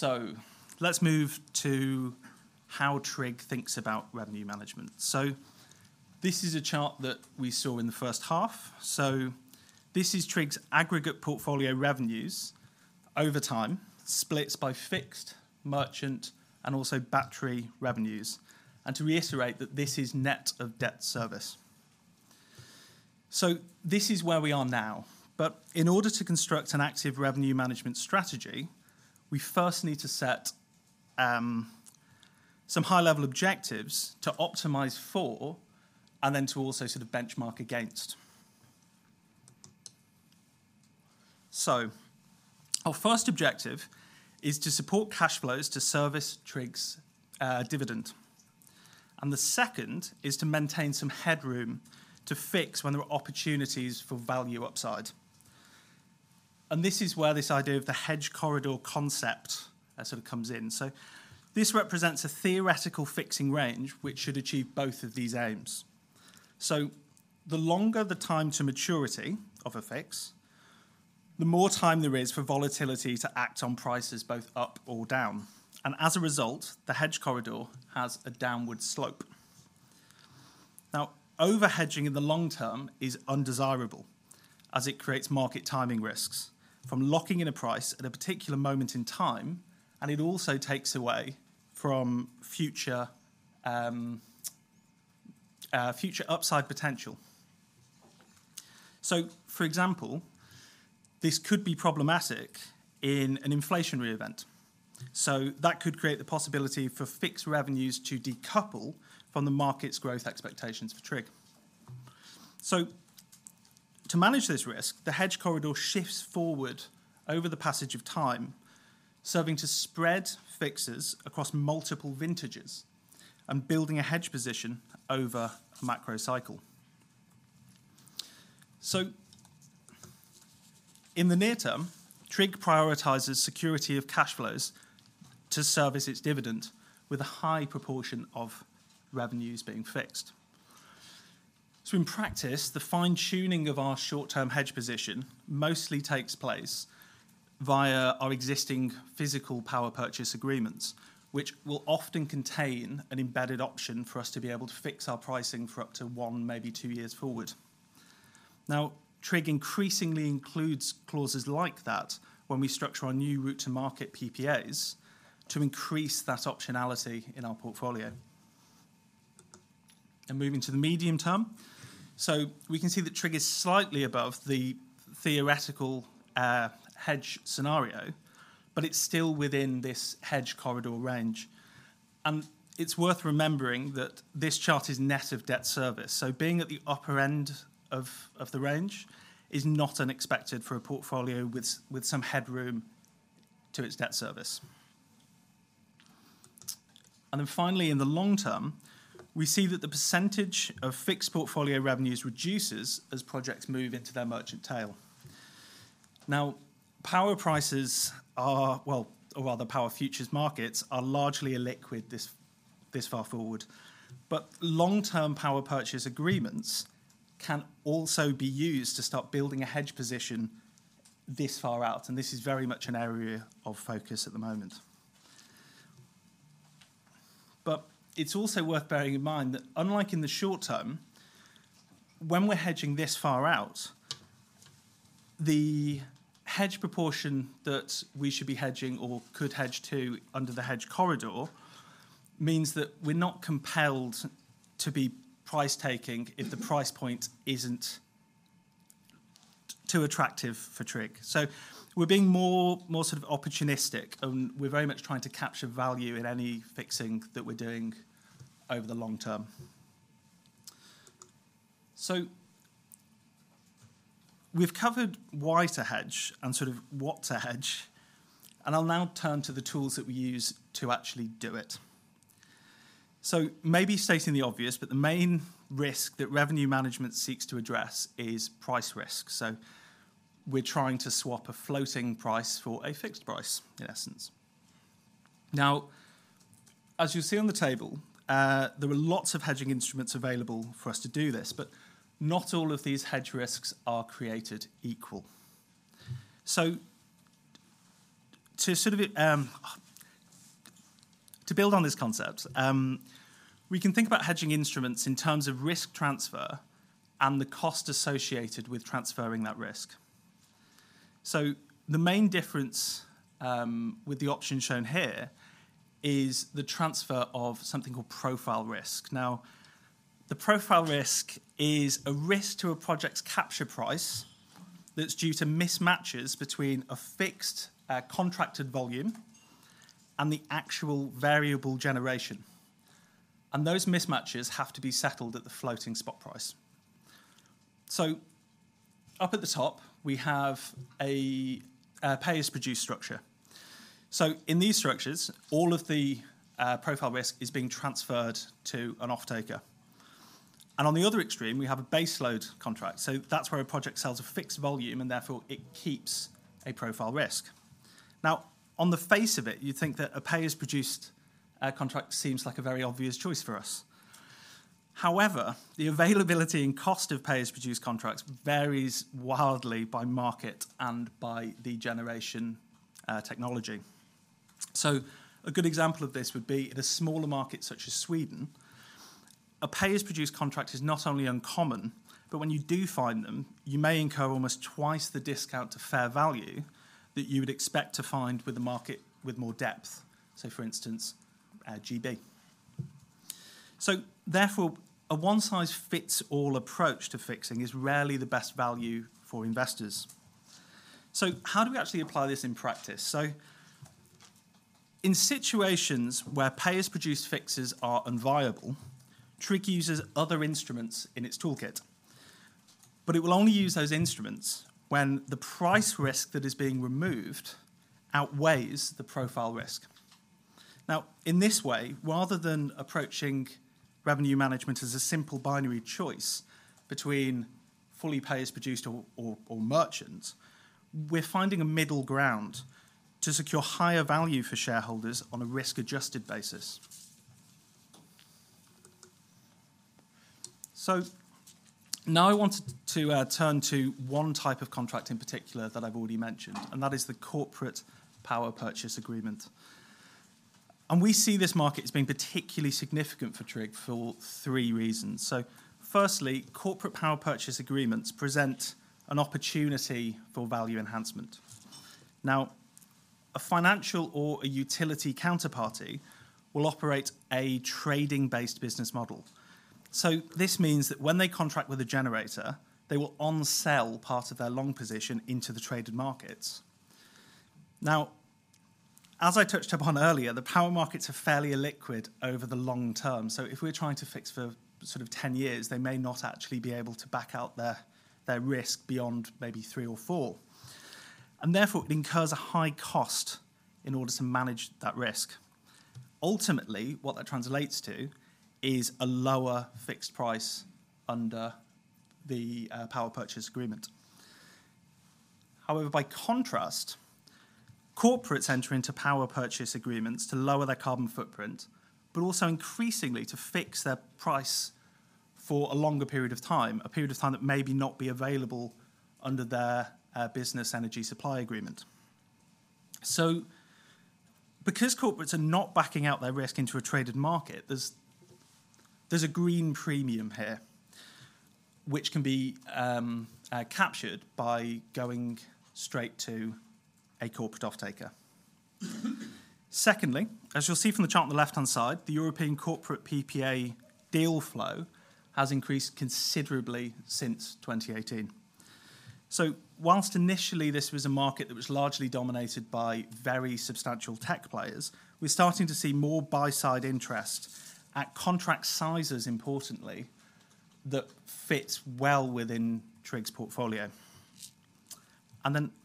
Let us move to how TRIG thinks about revenue management. This is a chart that we saw in the first half. This is TRIG's aggregate portfolio revenues over time, split by fixed, merchant, and also battery revenues. To reiterate, this is net of debt service. This is where we are now. In order to construct an active revenue management strategy, we first need to set some high-level objectives to optimize for and then to also sort of benchmark against. Our first objective is to support cash flows to service TRIG's dividend. The second is to maintain some headroom to fix when there are opportunities for value upside. This is where this idea of the hedge corridor concept sort of comes in. This represents a theoretical fixing range which should achieve both of these aims. The longer the time to maturity of a fix, the more time there is for volatility to act on prices both up or down. As a result, the hedge corridor has a downward slope. Now, over-hedging in the long term is undesirable as it creates market timing risks from locking in a price at a particular moment in time, and it also takes away from future upside potential. For example, this could be problematic in an inflationary event. That could create the possibility for fixed revenues to decouple from the market's growth expectations for TRIG. To manage this risk, the hedge corridor shifts forward over the passage of time, serving to spread fixes across multiple vintages and building a hedge position over a macro cycle. In the near term, TRIG prioritizes security of cash flows to service its dividend with a high proportion of revenues being fixed. In practice, the fine-tuning of our short-term hedge position mostly takes place via our existing physical power purchase agreements, which will often contain an embedded option for us to be able to fix our pricing for up to one, maybe two years forward. TRIG increasingly includes clauses like that when we structure our new route-to-market PPAs to increase that optionality in our portfolio. Moving to the medium term, we can see that TRIG is slightly above the theoretical hedge scenario, but it is still within this hedge corridor range. It is worth remembering that this chart is net of debt service. Being at the upper end of the range is not unexpected for a portfolio with some headroom to its debt service. Finally, in the long term, we see that the percentage of fixed portfolio revenues reduces as projects move into their merchant tale. Power prices are, or rather power futures markets are, largely illiquid this far forward. Long-term power purchase agreements can also be used to start building a hedge position this far out. This is very much an area of focus at the moment. It is also worth bearing in mind that unlike in the short term, when we are hedging this far out, the hedge proportion that we should be hedging or could hedge to under the hedge corridor means that we are not compelled to be price-taking if the price point is not too attractive for TRIG. We are being more sort of opportunistic, and we are very much trying to capture value in any fixing that we are doing over the long term. We have covered why to hedge and sort of what to hedge, and I will now turn to the tools that we use to actually do it. Maybe stating the obvious, but the main risk that revenue management seeks to address is price risk. We are trying to swap a floating price for a fixed price, in essence. Now, as you'll see on the table, there are lots of hedging instruments available for us to do this, but not all of these hedge risks are created equal. To build on this concept, we can think about hedging instruments in terms of risk transfer and the cost associated with transferring that risk. The main difference with the option shown here is the transfer of something called profile risk. The profile risk is a risk to a project's capture price that's due to mismatches between a fixed contracted volume and the actual variable generation. Those mismatches have to be settled at the floating spot price. Up at the top, we have a pay-as-produce structure. In these structures, all of the profile risk is being transferred to an off-taker. On the other extreme, we have a base-load contract. That's where a project sells a fixed volume, and therefore it keeps a profile risk. Now, on the face of it, you'd think that a pay-as-produced contract seems like a very obvious choice for us. However, the availability and cost of pay-as-produced contracts varies wildly by market and by the generation technology. A good example of this would be in a smaller market such as Sweden, a pay-as-produced contract is not only uncommon, but when you do find them, you may incur almost twice the discount to fair value that you would expect to find with a market with more depth, say, for instance, GB. Therefore, a one-size-fits-all approach to fixing is rarely the best value for investors. How do we actually apply this in practice? In situations where pay-as-produced fixes are unviable, TRIG uses other instruments in its toolkit. It will only use those instruments when the price risk that is being removed outweighs the profile risk. In this way, rather than approaching revenue management as a simple binary choice between fully pay-as-produced or merchant, we're finding a middle ground to secure higher value for shareholders on a risk-adjusted basis. Now I want to turn to one type of contract in particular that I've already mentioned, and that is the corporate power purchase agreement. We see this market as being particularly significant for TRG for three reasons. Firstly, corporate power purchase agreements present an opportunity for value enhancement. A financial or a utility counterparty will operate a trading-based business model. This means that when they contract with a generator, they will on-sell part of their long position into the traded markets. Now, as I touched upon earlier, the power markets are fairly illiquid over the long term. If we're trying to fix for sort of 10 years, they may not actually be able to back out their risk beyond maybe three or four. Therefore, it incurs a high cost in order to manage that risk. Ultimately, what that translates to is a lower fixed price under the power purchase agreement. However, by contrast, corporates enter into power purchase agreements to lower their carbon footprint, but also increasingly to fix their price for a longer period of time, a period of time that may not be available under their business energy supply agreement. Because corporates are not backing out their risk into a traded market, there's a green premium here, which can be captured by going straight to a corporate off-taker. Secondly, as you'll see from the chart on the left-hand side, the European corporate PPA deal flow has increased considerably since 2018. Whilst initially this was a market that was largely dominated by very substantial tech players, we're starting to see more buy-side interest at contract sizes, importantly, that fits well within TRIG's portfolio.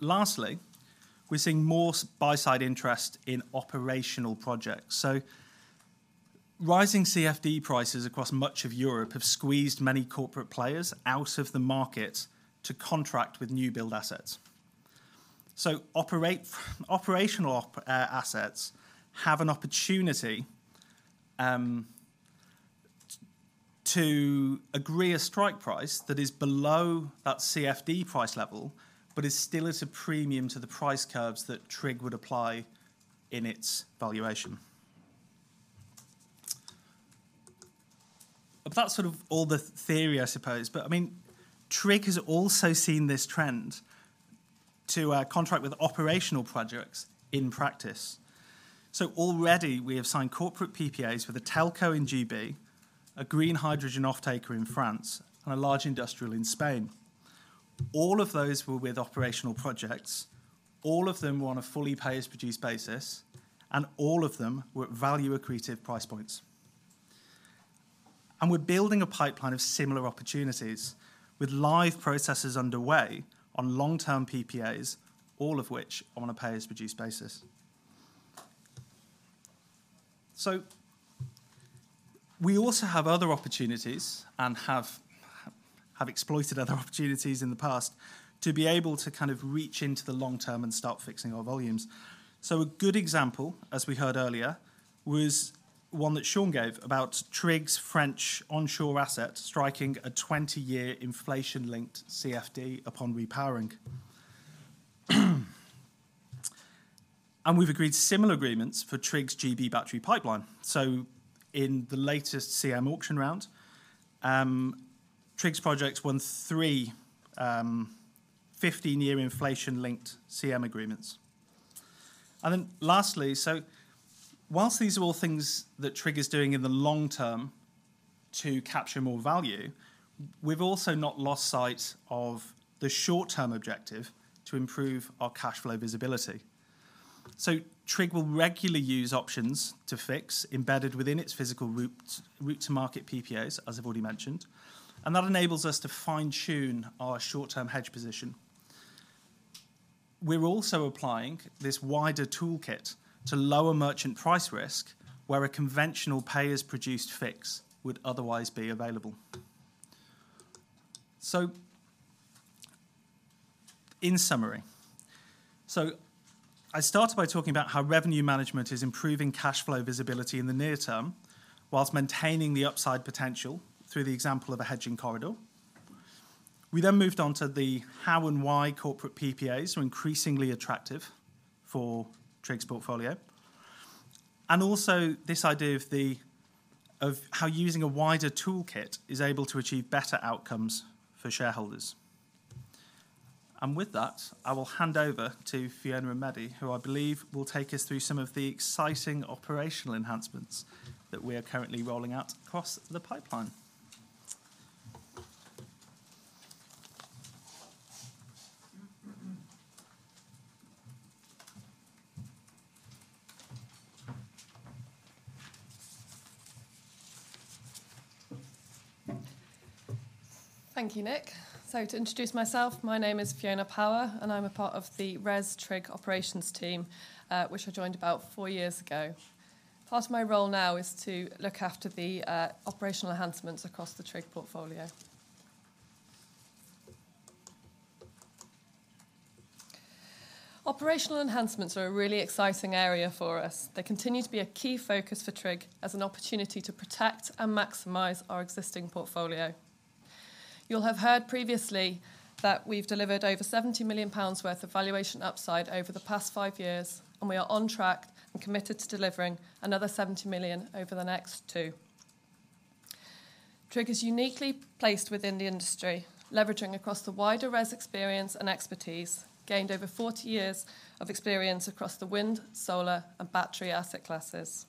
Lastly, we're seeing more buy-side interest in operational projects. Rising CFD prices across much of Europe have squeezed many corporate players out of the market to contract with new build assets. Operational assets have an opportunity to agree a strike price that is below that CFD price level, but is still at a premium to the price curves that TRIG would apply in its valuation. That's sort of all the theory, I suppose. I mean, TRIG has also seen this trend to contract with operational projects in practice. Already, we have signed corporate PPAs with a telco in GB, a green hydrogen off-taker in France, and a large industrial in Spain. All of those were with operational projects. All of them were on a fully pay-as-produced basis, and all of them were at value-accretive price points. We are building a pipeline of similar opportunities with live processors underway on long-term PPAs, all of which are on a pay-as-produced basis. We also have other opportunities and have exploited other opportunities in the past to be able to kind of reach into the long term and start fixing our volumes. A good example, as we heard earlier, was one that Sean gave about TRG's French onshore asset striking a 20-year inflation-linked CFD upon repowering. We have agreed similar agreements for TRG's GB battery pipeline. In the latest CM auction round, TRG's project won three 15-year inflation-linked CM agreements. Lastly, whilst these are all things that TRG is doing in the long term to capture more value, we've also not lost sight of the short-term objective to improve our cash flow visibility. TRG will regularly use options to fix embedded within its physical route-to-market PPAs, as I've already mentioned, and that enables us to fine-tune our short-term hedge position. We're also applying this wider toolkit to lower merchant price risk where a conventional pay-as-produced fix would otherwise be available. In summary, I started by talking about how revenue management is improving cash flow visibility in the near term whilst maintaining the upside potential through the example of a hedging corridor. We then moved on to how and why corporate PPAs are increasingly attractive for TRG's portfolio. This idea of how using a wider toolkit is able to achieve better outcomes for shareholders is important. With that, I will hand over to Fiona and Mehdi, who I believe will take us through some of the exciting operational enhancements that we are currently rolling out across the pipeline. Thank you, Nick. To introduce myself, my name is Fiona Power, and I'm a part of the RES TRG operations team, which I joined about four years ago. Part of my role now is to look after the operational enhancements across the TRG portfolio. Operational enhancements are a really exciting area for us. They continue to be a key focus for TRG as an opportunity to protect and maximize our existing portfolio. You'll have heard previously that we've delivered over 70 million pounds worth of valuation upside over the past five years, and we are on track and committed to delivering another 70 million over the next two. TRG is uniquely placed within the industry, leveraging across the wider RES experience and expertise, gained over 40 years of experience across the wind, solar, and battery asset classes.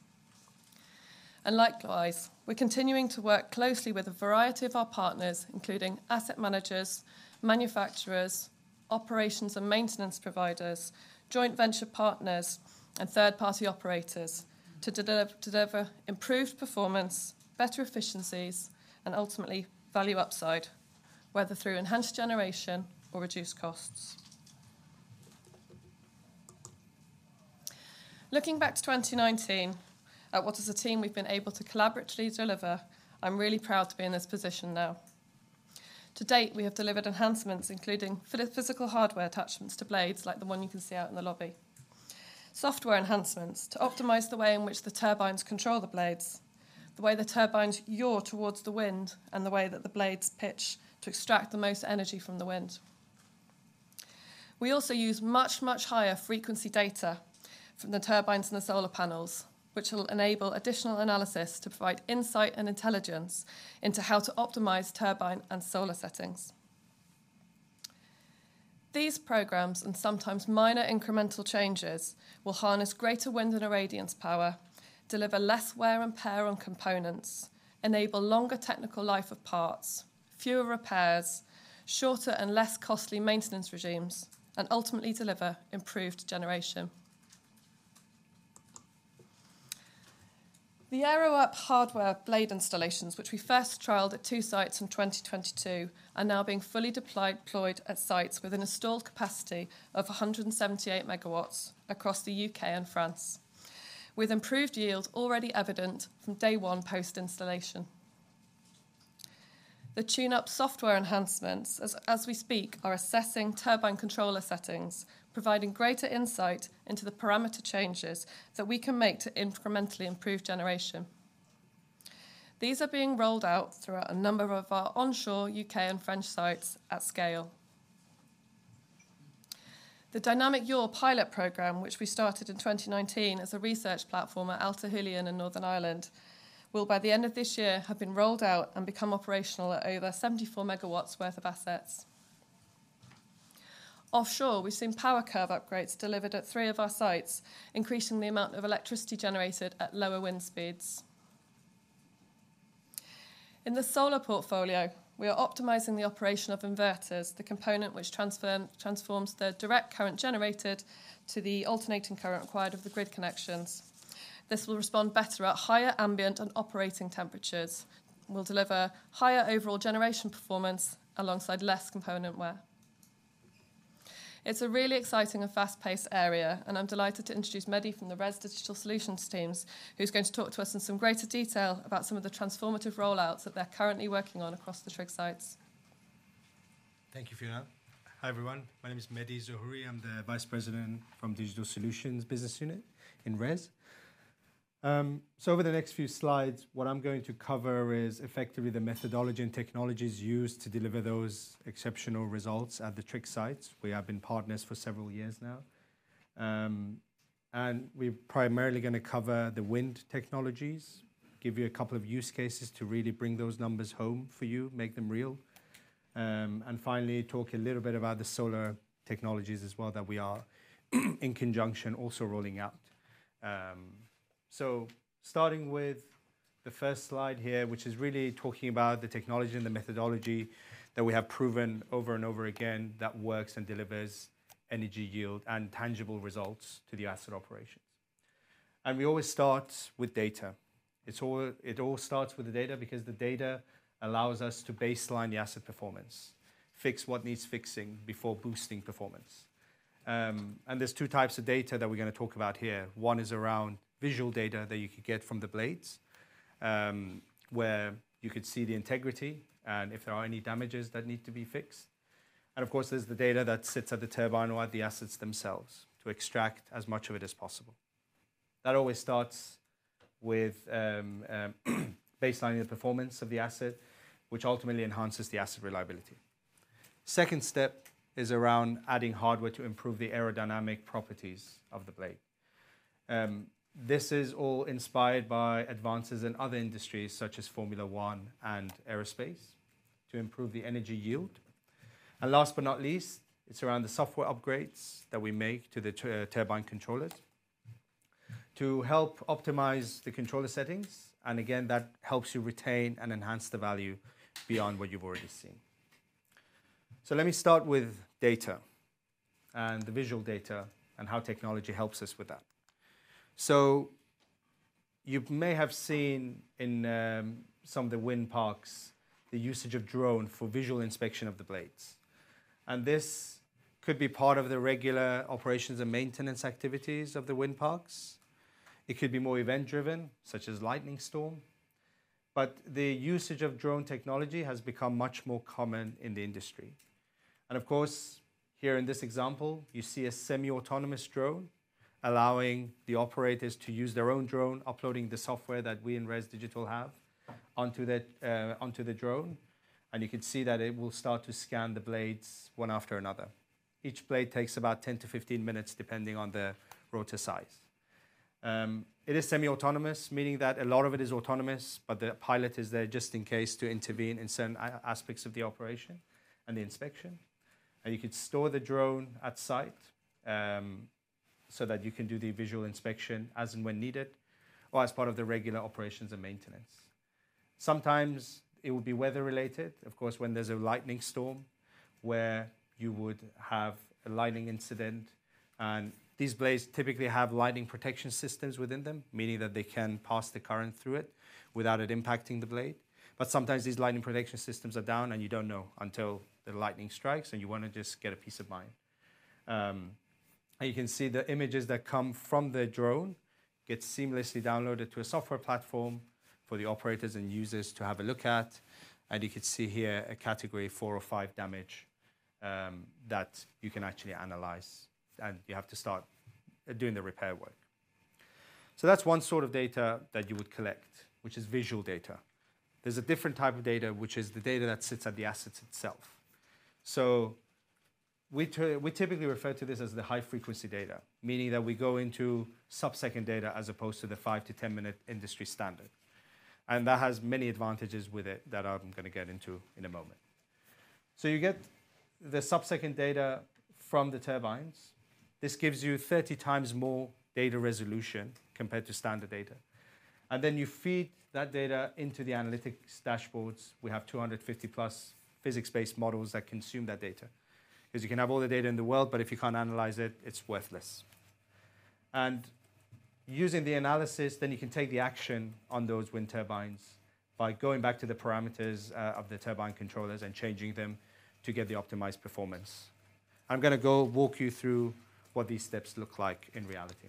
We're continuing to work closely with a variety of our partners, including asset managers, manufacturers, operations and maintenance providers, joint venture partners, and third-party operators, to deliver improved performance, better efficiencies, and ultimately value upside, whether through enhanced generation or reduced costs. Looking back to 2019, at what as a team we've been able to collaboratively deliver, I'm really proud to be in this position now. To date, we have delivered enhancements, including physical hardware attachments to blades like the one you can see out in the lobby. Software enhancements to optimize the way in which the turbines control the blades, the way the turbines yaw towards the wind, and the way that the blades pitch to extract the most energy from the wind. We also use much, much higher frequency data from the turbines and the solar panels, which will enable additional analysis to provide insight and intelligence into how to optimize turbine and solar settings. These programs and sometimes minor incremental changes will harness greater wind and irradiance power, deliver less wear and tear on components, enable longer technical life of parts, fewer repairs, shorter and less costly maintenance regimes, and ultimately deliver improved generation. The AeroUp hardware blade installations, which we first trialed at two sites in 2022, are now being fully deployed at sites with an installed capacity of 178 megawatts across the U.K. and France, with improved yields already evident from day one post-installation. The TuneUp software enhancements, as we speak, are assessing turbine controller settings, providing greater insight into the parameter changes that we can make to incrementally improve generation. These are being rolled out throughout a number of our onshore U.K. and French sites at scale. The Dynamic Yaw Pilot Program, which we started in 2019 as a research platform at Alta Hoolian in Northern Ireland, will by the end of this year have been rolled out and become operational at over 74 megawatts worth of assets. Offshore, we've seen power curve upgrades delivered at three of our sites, increasing the amount of electricity generated at lower wind speeds. In the solar portfolio, we are optimizing the operation of inverters, the component which transforms the direct current generated to the alternating current required of the grid connections. This will respond better at higher ambient and operating temperatures, will deliver higher overall generation performance alongside less component wear. It's a really exciting and fast-paced area, and I'm delighted to introduce Mehdi from the RES Digital Solutions teams, who's going to talk to us in some greater detail about some of the transformative rollouts that they're currently working on across the TRIG sites. Thank you, Fiona. Hi, everyone. My name is Mehdi Zohuri. I'm the Vice President from Digital Solutions Business Unit in RES. Over the next few slides, what I'm going to cover is effectively the methodology and technologies used to deliver those exceptional results at the TRIG sites. We have been partners for several years now. We're primarily going to cover the wind technologies, give you a couple of use cases to really bring those numbers home for you, make them real. Finally, talk a little bit about the solar technologies as well that we are in conjunction also rolling out. Starting with the first slide here, which is really talking about the technology and the methodology that we have proven over and over again that works and delivers energy yield and tangible results to the asset operations. We always start with data. It all starts with the data because the data allows us to baseline the asset performance, fix what needs fixing before boosting performance. There are two types of data that we're going to talk about here. One is around visual data that you could get from the blades, where you could see the integrity and if there are any damages that need to be fixed. Of course, there's the data that sits at the turbine or at the assets themselves to extract as much of it as possible. That always starts with baselining the performance of the asset, which ultimately enhances the asset reliability. The second step is around adding hardware to improve the aerodynamic properties of the blade. This is all inspired by advances in other industries such as Formula 1 and aerospace to improve the energy yield. Last but not least, it's around the software upgrades that we make to the turbine controllers to help optimize the controller settings. Again, that helps you retain and enhance the value beyond what you've already seen. Let me start with data and the visual data and how technology helps us with that. You may have seen in some of the wind parks the usage of drone for visual inspection of the blades. This could be part of the regular operations and maintenance activities of the wind parks. It could be more event-driven, such as lightning storm. The usage of drone technology has become much more common in the industry. Of course, here in this example, you see a semi-autonomous drone allowing the operators to use their own drone, uploading the software that we in RES Digital have onto the drone. You can see that it will start to scan the blades one after another. Each blade takes about 10-15 minutes depending on the rotor size. It is semi-autonomous, meaning that a lot of it is autonomous, but the pilot is there just in case to intervene in certain aspects of the operation and the inspection. You could store the drone at site so that you can do the visual inspection as and when needed or as part of the regular operations and maintenance. Sometimes it will be weather-related, of course, when there is a lightning storm where you would have a lightning incident. These blades typically have lightning protection systems within them, meaning that they can pass the current through it without it impacting the blade. Sometimes these lightning protection systems are down and you do not know until the lightning strikes and you want to just get peace of mind. You can see the images that come from the drone get seamlessly downloaded to a software platform for the operators and users to have a look at. You could see here a category four or five damage that you can actually analyze, and you have to start doing the repair work. That is one sort of data that you would collect, which is visual data. There is a different type of data, which is the data that sits at the asset itself. We typically refer to this as the high-frequency data, meaning that we go into sub-second data as opposed to the 5-10 minute industry standard. That has many advantages with it that I'm going to get into in a moment. You get the sub-second data from the turbines. This gives you 30 times more data resolution compared to standard data. You feed that data into the analytics dashboards. We have 250+ physics-based models that consume that data. You can have all the data in the world, but if you can't analyze it, it's worthless. Using the analysis, you can take the action on those wind turbines by going back to the parameters of the turbine controllers and changing them to get the optimized performance. I'm going to walk you through what these steps look like in reality.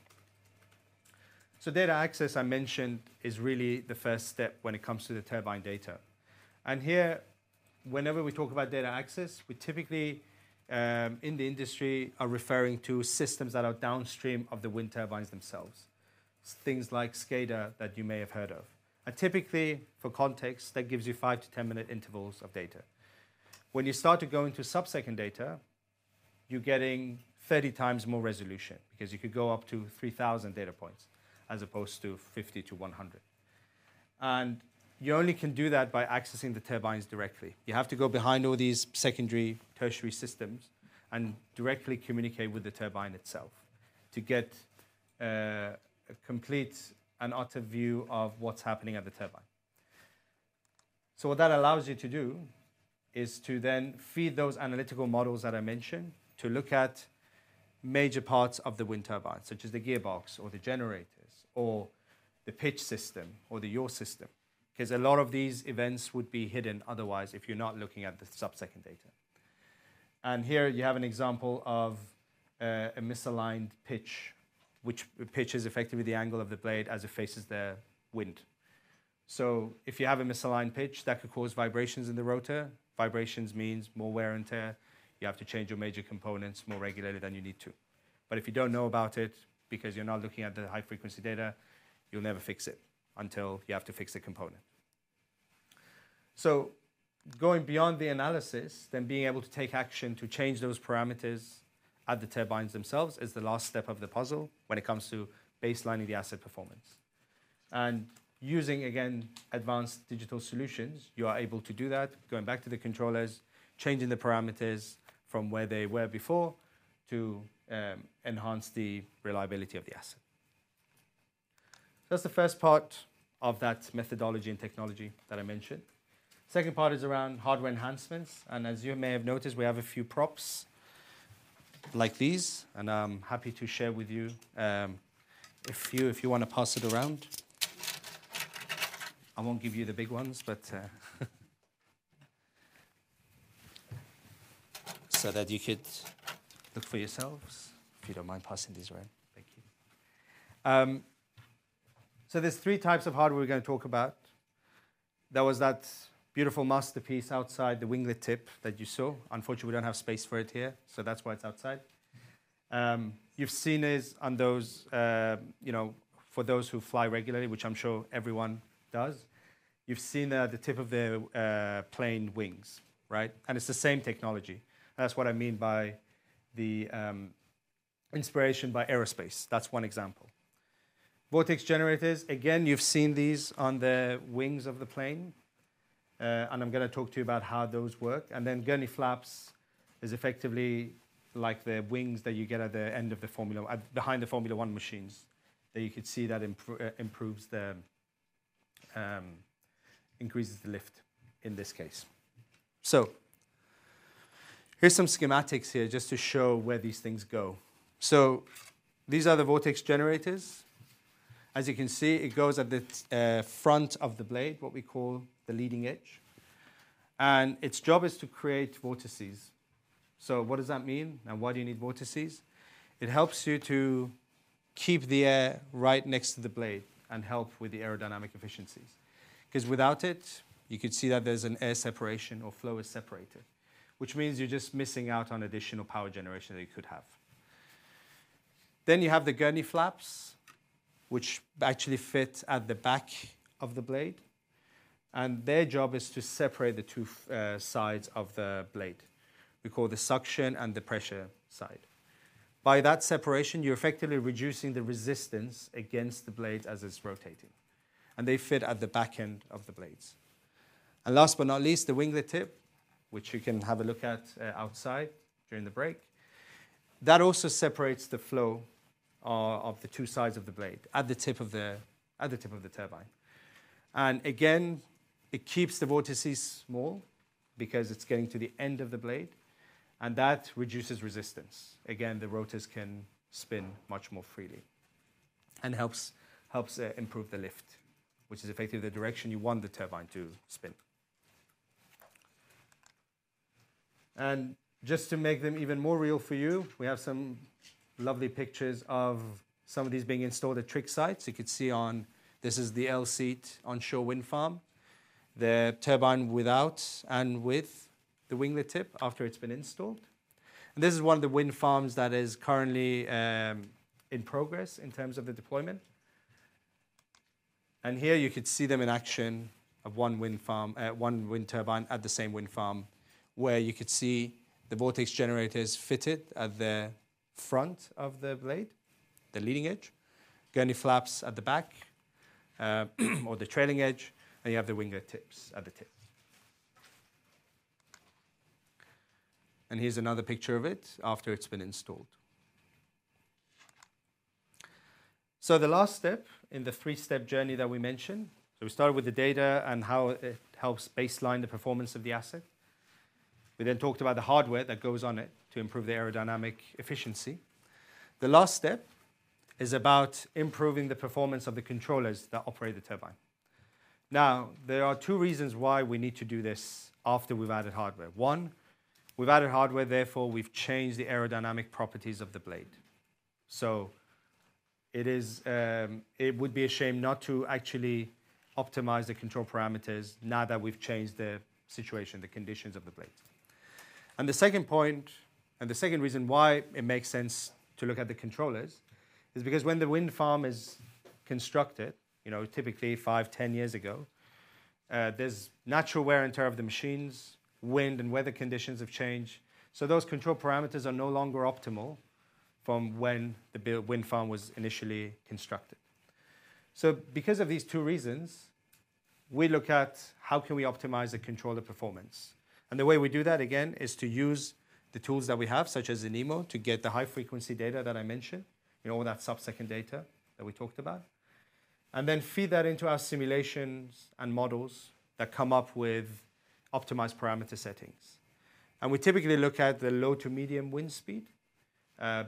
Data access, I mentioned, is really the first step when it comes to the turbine data. Here, whenever we talk about data access, we typically, in the industry, are referring to systems that are downstream of the wind turbines themselves, things like SCADA that you may have heard of. Typically, for context, that gives you 5-10 minute intervals of data. When you start to go into sub-second data, you're getting 30 times more resolution because you could go up to 3,000 data points as opposed to 50-100. You only can do that by accessing the turbines directly. You have to go behind all these secondary, tertiary systems and directly communicate with the turbine itself to get a complete and utter view of what's happening at the turbine. What that allows you to do is to then feed those analytical models that I mentioned to look at major parts of the wind turbine, such as the gearbox or the generators or the pitch system or the yaw system, because a lot of these events would be hidden otherwise if you're not looking at the sub-second data. Here you have an example of a misaligned pitch, which pitches effectively the angle of the blade as it faces the wind. If you have a misaligned pitch, that could cause vibrations in the rotor. Vibrations means more wear and tear. You have to change your major components more regularly than you need to. If you do not know about it because you're not looking at the high-frequency data, you'll never fix it until you have to fix the component. Going beyond the analysis, then being able to take action to change those parameters at the turbines themselves is the last step of the puzzle when it comes to baselining the asset performance. Using, again, advanced digital solutions, you are able to do that, going back to the controllers, changing the parameters from where they were before to enhance the reliability of the asset. That is the first part of that methodology and technology that I mentioned. The second part is around hardware enhancements. As you may have noticed, we have a few props like these, and I am happy to share with you a few if you want to pass it around. I will not give you the big ones, but so that you could look for yourselves, if you do not mind passing these around. Thank you. There are three types of hardware we are going to talk about. There was that beautiful masterpiece outside, the winglet tip that you saw. Unfortunately, we do not have space for it here, so that is why it is outside. You have seen this on those for those who fly regularly, which I am sure everyone does. You have seen the tip of the plane wings, right? It is the same technology. That is what I mean by the inspiration by aerospace. That is one example. Vortex generators, again, you have seen these on the wings of the plane. I am going to talk to you about how those work. Gurney flaps are effectively like the wings that you get at the end of the Formula 1 machines that you could see that increases the lift in this case. Here are some schematics here just to show where these things go. These are the vortex generators. As you can see, it goes at the front of the blade, what we call the leading edge. Its job is to create vortices. What does that mean? Why do you need vortices? It helps you to keep the air right next to the blade and help with the aerodynamic efficiencies. Without it, you could see that there is an air separation or flow is separated, which means you are just missing out on additional power generation that you could have. You have the gurney flaps, which actually fit at the back of the blade. Their job is to separate the two sides of the blade. We call the suction and the pressure side. By that separation, you are effectively reducing the resistance against the blade as it is rotating. They fit at the back end of the blades. Last but not least, the winglet tip, which you can have a look at outside during the break, also separates the flow of the two sides of the blade at the tip of the turbine. Again, it keeps the vortices small because it is getting to the end of the blade. That reduces resistance. Again, the rotors can spin much more freely and helps improve the lift, which is effectively the direction you want the turbine to spin. Just to make them even more real for you, we have some lovely pictures of some of these being installed at TRIG sites. You could see on this is the L seat Onshore Wind Farm, the turbine without and with the winglet tip after it has been installed. This is one of the wind farms that is currently in progress in terms of the deployment. You could see them in action at one wind turbine at the same wind farm where you could see the vortex generators fitted at the front of the blade, the leading edge, gurney flaps at the back or the trailing edge, and you have the winglet tips at the tip. Here is another picture of it after it has been installed. The last step in the three-step journey that we mentioned, we started with the data and how it helps baseline the performance of the asset. We then talked about the hardware that goes on it to improve the aerodynamic efficiency. The last step is about improving the performance of the controllers that operate the turbine. There are two reasons why we need to do this after we have added hardware. One, we have added hardware, therefore we have changed the aerodynamic properties of the blade. It would be a shame not to actually optimize the control parameters now that we've changed the situation, the conditions of the blades. The second point, and the second reason why it makes sense to look at the controllers, is because when the wind farm is constructed, typically 5, 10 years ago, there's natural wear and tear of the machines, wind and weather conditions have changed. Those control parameters are no longer optimal from when the wind farm was initially constructed. Because of these two reasons, we look at how can we optimize the controller performance. The way we do that, again, is to use the tools that we have, such as Enemo, to get the high-frequency data that I mentioned, all that sub-second data that we talked about, and then feed that into our simulations and models that come up with optimized parameter settings. We typically look at the low to medium wind speed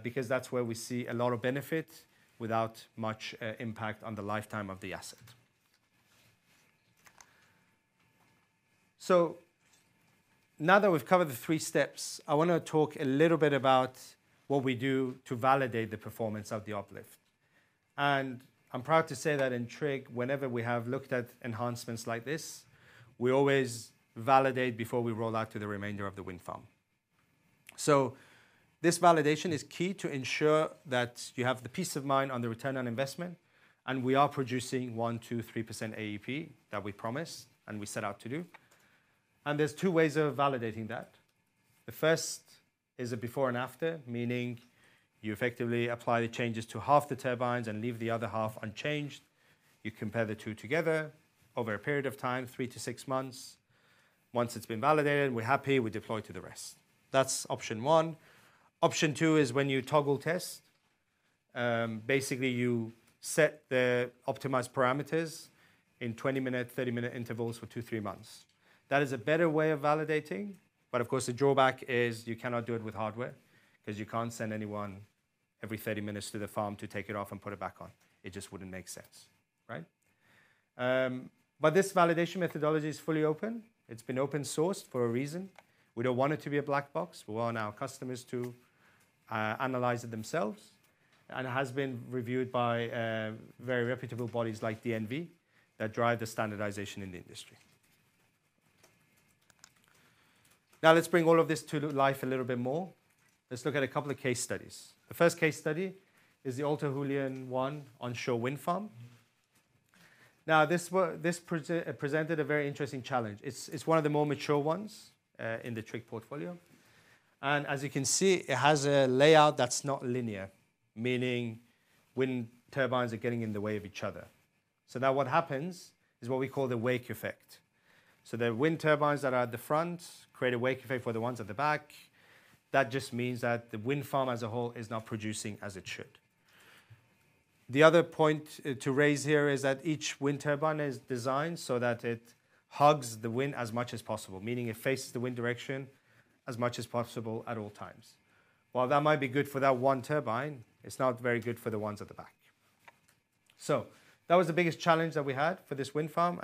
because that's where we see a lot of benefit without much impact on the lifetime of the asset. Now that we've covered the three steps, I want to talk a little bit about what we do to validate the performance of the uplift. I'm proud to say that in TRIG, whenever we have looked at enhancements like this, we always validate before we roll out to the remainder of the wind farm. This validation is key to ensure that you have the peace of mind on the return on investment. We are producing 1-3% AEP that we promised and we set out to do. There are two ways of validating that. The first is a before and after, meaning you effectively apply the changes to half the turbines and leave the other half unchanged. You compare the two together over a period of time, three to six months. Once it's been validated, we're happy, we deploy to the rest. That's option one. Option two is when you toggle test. Basically, you set the optimized parameters in 20-minute, 30-minute intervals for two, three months. That is a better way of validating. Of course, the drawback is you cannot do it with hardware because you can't send anyone every 30 minutes to the farm to take it off and put it back on. It just wouldn't make sense, right? This validation methodology is fully open. It's been open-sourced for a reason. We don't want it to be a black box. We want our customers to analyze it themselves. It has been reviewed by very reputable bodies like DNV that drive the standardization in the industry. Now, let's bring all of this to life a little bit more. Let's look at a couple of case studies. The first case study is the Alta Hoolian onshore wind farm. This presented a very interesting challenge. It's one of the more mature ones in the TRIG portfolio. As you can see, it has a layout that's not linear, meaning wind turbines are getting in the way of each other. What happens is what we call the wake effect. The wind turbines that are at the front create a wake effect for the ones at the back. That just means that the wind farm as a whole is not producing as it should. The other point to raise here is that each wind turbine is designed so that it hugs the wind as much as possible, meaning it faces the wind direction as much as possible at all times. While that might be good for that one turbine, it's not very good for the ones at the back. That was the biggest challenge that we had for this wind farm.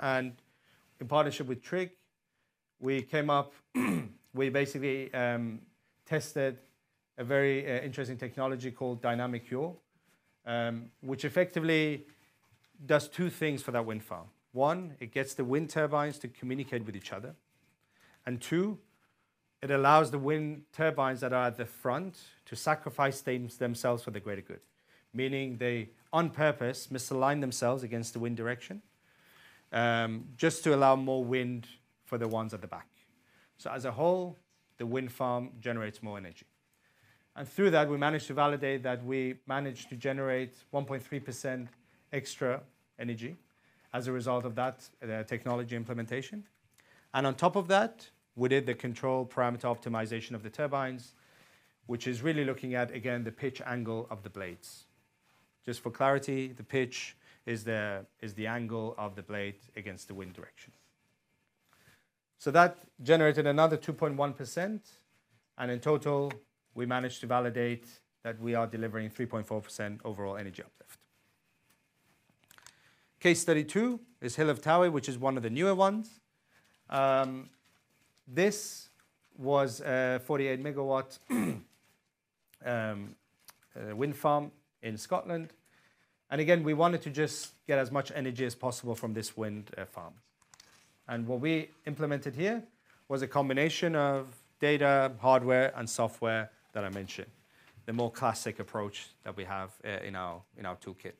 In partnership with TRG, we came up, we basically tested a very interesting technology called Dynamic Yaw, which effectively does two things for that wind farm. One, it gets the wind turbines to communicate with each other. Two, it allows the wind turbines that are at the front to sacrifice themselves for the greater good, meaning they on purpose misalign themselves against the wind direction just to allow more wind for the ones at the back. As a whole, the wind farm generates more energy. Through that, we managed to validate that we managed to generate 1.3% extra energy as a result of that technology implementation. On top of that, we did the control parameter optimization of the turbines, which is really looking at, again, the pitch angle of the blades. Just for clarity, the pitch is the angle of the blade against the wind direction. That generated another 2.1%. In total, we managed to validate that we are delivering 3.4% overall energy uplift. Case study two is Hill of Tower, which is one of the newer ones. This was a 48 MW wind farm in Scotland. Again, we wanted to just get as much energy as possible from this wind farm. What we implemented here was a combination of data, hardware, and software that I mentioned, the more classic approach that we have in our toolkit.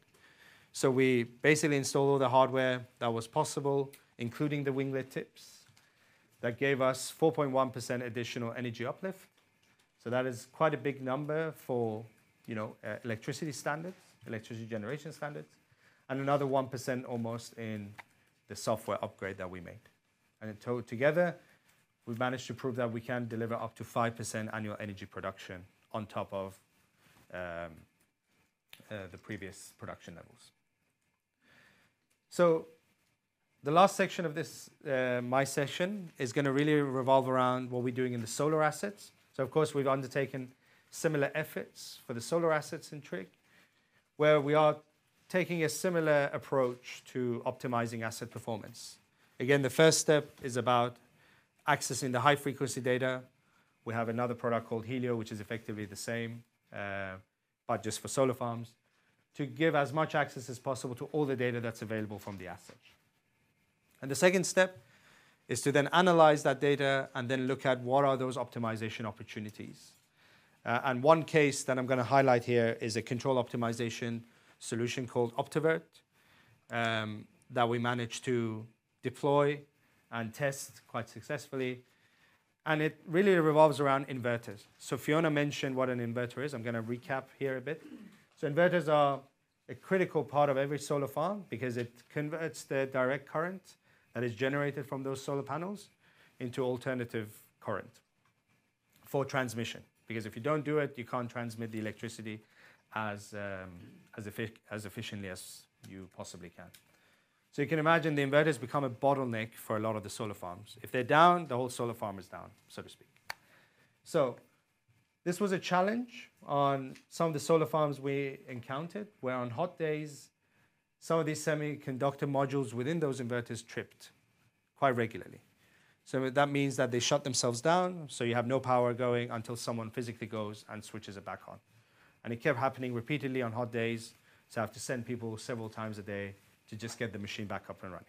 We basically installed all the hardware that was possible, including the winglet tips, that gave us 4.1% additional energy uplift. That is quite a big number for electricity standards, electricity generation standards, and another 1% almost in the software upgrade that we made. In total, together, we've managed to prove that we can deliver up to 5% annual energy production on top of the previous production levels. The last section of my session is going to really revolve around what we're doing in the solar assets. Of course, we've undertaken similar efforts for the solar assets in TRIG, where we are taking a similar approach to optimizing asset performance. Again, the first step is about accessing the high-frequency data. We have another product called Helio, which is effectively the same, but just for solar farms, to give as much access as possible to all the data that is available from the asset. The second step is to then analyze that data and then look at what are those optimization opportunities. One case that I am going to highlight here is a control optimization solution called Optivert that we managed to deploy and test quite successfully. It really revolves around inverters. Fiona mentioned what an inverter is. I am going to recap here a bit. Inverters are a critical part of every solar farm because it converts the direct current that is generated from those solar panels into alternating current for transmission. If you do not do it, you cannot transmit the electricity as efficiently as you possibly can. You can imagine the inverters become a bottleneck for a lot of the solar farms. If they're down, the whole solar farm is down, so to speak. This was a challenge on some of the solar farms we encountered where on hot days, some of these semiconductor modules within those inverters tripped quite regularly. That means that they shut themselves down. You have no power going until someone physically goes and switches it back on. It kept happening repeatedly on hot days. I have to send people several times a day to just get the machine back up and running.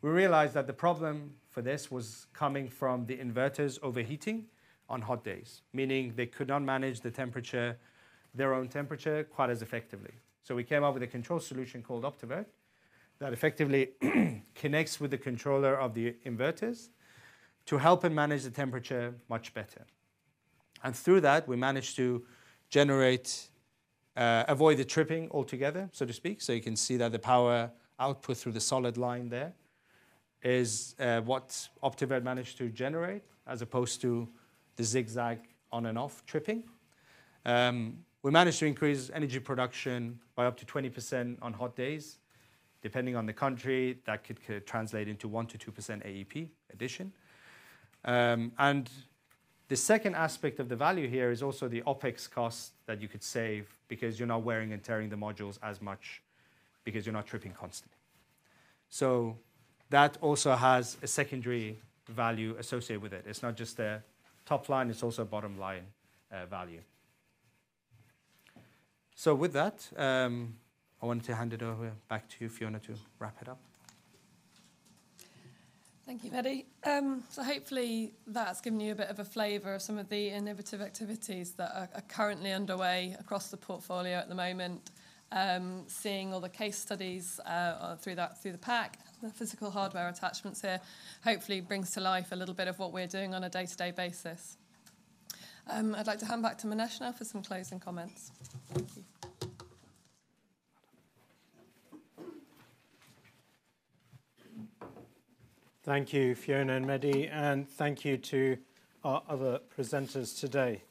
We realized that the problem for this was coming from the inverters overheating on hot days, meaning they could not manage their own temperature quite as effectively. We came up with a control solution called Optivert that effectively connects with the controller of the inverters to help them manage the temperature much better. Through that, we managed to avoid the tripping altogether, so to speak. You can see that the power output through the solid line there is what Optivert managed to generate as opposed to the zigzag on and off tripping. We managed to increase energy production by up to 20% on hot days. Depending on the country, that could translate into 1-2% AEP addition. The second aspect of the value here is also the OpEx cost that you could save because you are not wearing and tearing the modules as much because you are not tripping constantly. That also has a secondary value associated with it. It is not just a top line. It is also a bottom line value. With that, I wanted to hand it over back to you, Fiona, to wrap it up. Thank you, Mehdi. Hopefully, that has given you a bit of a flavor of some of the innovative activities that are currently underway across the portfolio at the moment, seeing all the case studies through the pack, the physical hardware attachments here, hopefully brings to life a little bit of what we are doing on a day-to-day basis. I would like to hand back to Minesh now for some closing comments. Thank you. Thank you, Fiona and Mehdi. Thank you to our other presenters today.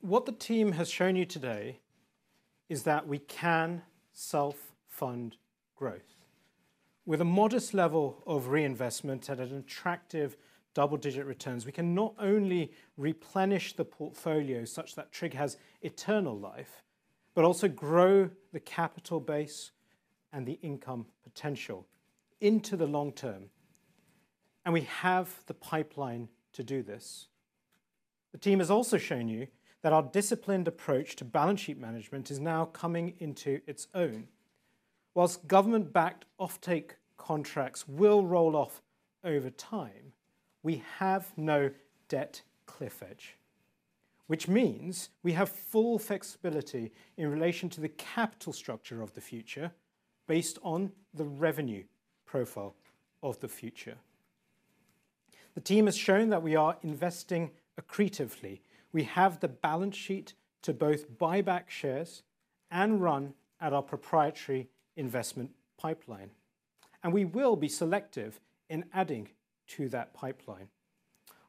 What the team has shown you today is that we can self-fund growth. With a modest level of reinvestment and an attractive double-digit returns, we can not only replenish the portfolio such that TRIG has eternal life, but also grow the capital base and the income potential into the long term. We have the pipeline to do this. The team has also shown you that our disciplined approach to balance sheet management is now coming into its own. Whilst government-backed offtake contracts will roll off over time, we have no debt cliff edge, which means we have full flexibility in relation to the capital structure of the future based on the revenue profile of the future. The team has shown that we are investing accretively. We have the balance sheet to both buy back shares and run at our proprietary investment pipeline. We will be selective in adding to that pipeline.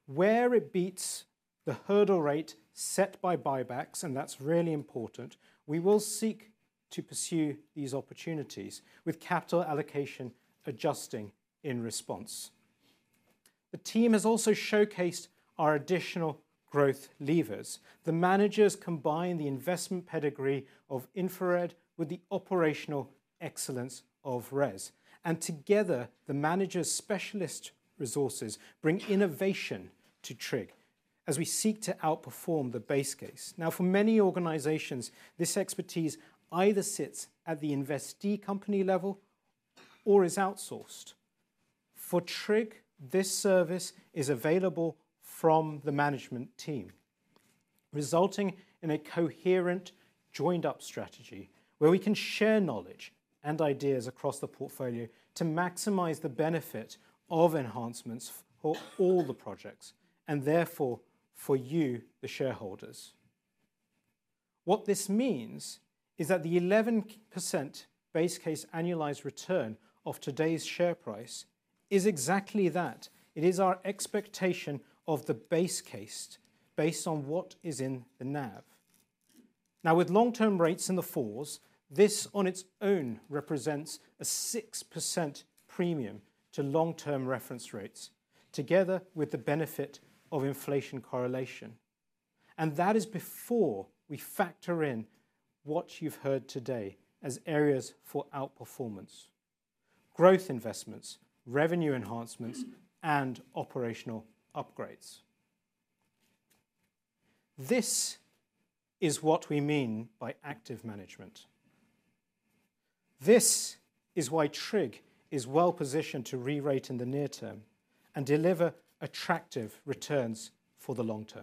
Where it beats the hurdle rate set by buybacks, and that is really important, we will seek to pursue these opportunities with capital allocation adjusting in response. The team has also showcased our additional growth levers. The managers combine the investment pedigree of InfraRed with the operational excellence of RES. Together, the managers' specialist resources bring innovation to TRIG as we seek to outperform the base case. Now, for many organizations, this expertise either sits at the investee company level or is outsourced. For TRIG, this service is available from the management team, resulting in a coherent joined-up strategy where we can share knowledge and ideas across the portfolio to maximize the benefit of enhancements for all the projects and therefore for you, the shareholders. What this means is that the 11% base case annualized return of today's share price is exactly that. It is our expectation of the base case based on what is in the NAV. Now, with long-term rates in the 4s, this on its own represents a 6% premium to long-term reference rates, together with the benefit of inflation correlation. That is before we factor in what you've heard today as areas for outperformance: growth investments, revenue enhancements, and operational upgrades. This is what we mean by active management. This is why TRIG is well-positioned to re-rate in the near term and deliver attractive returns for the long term.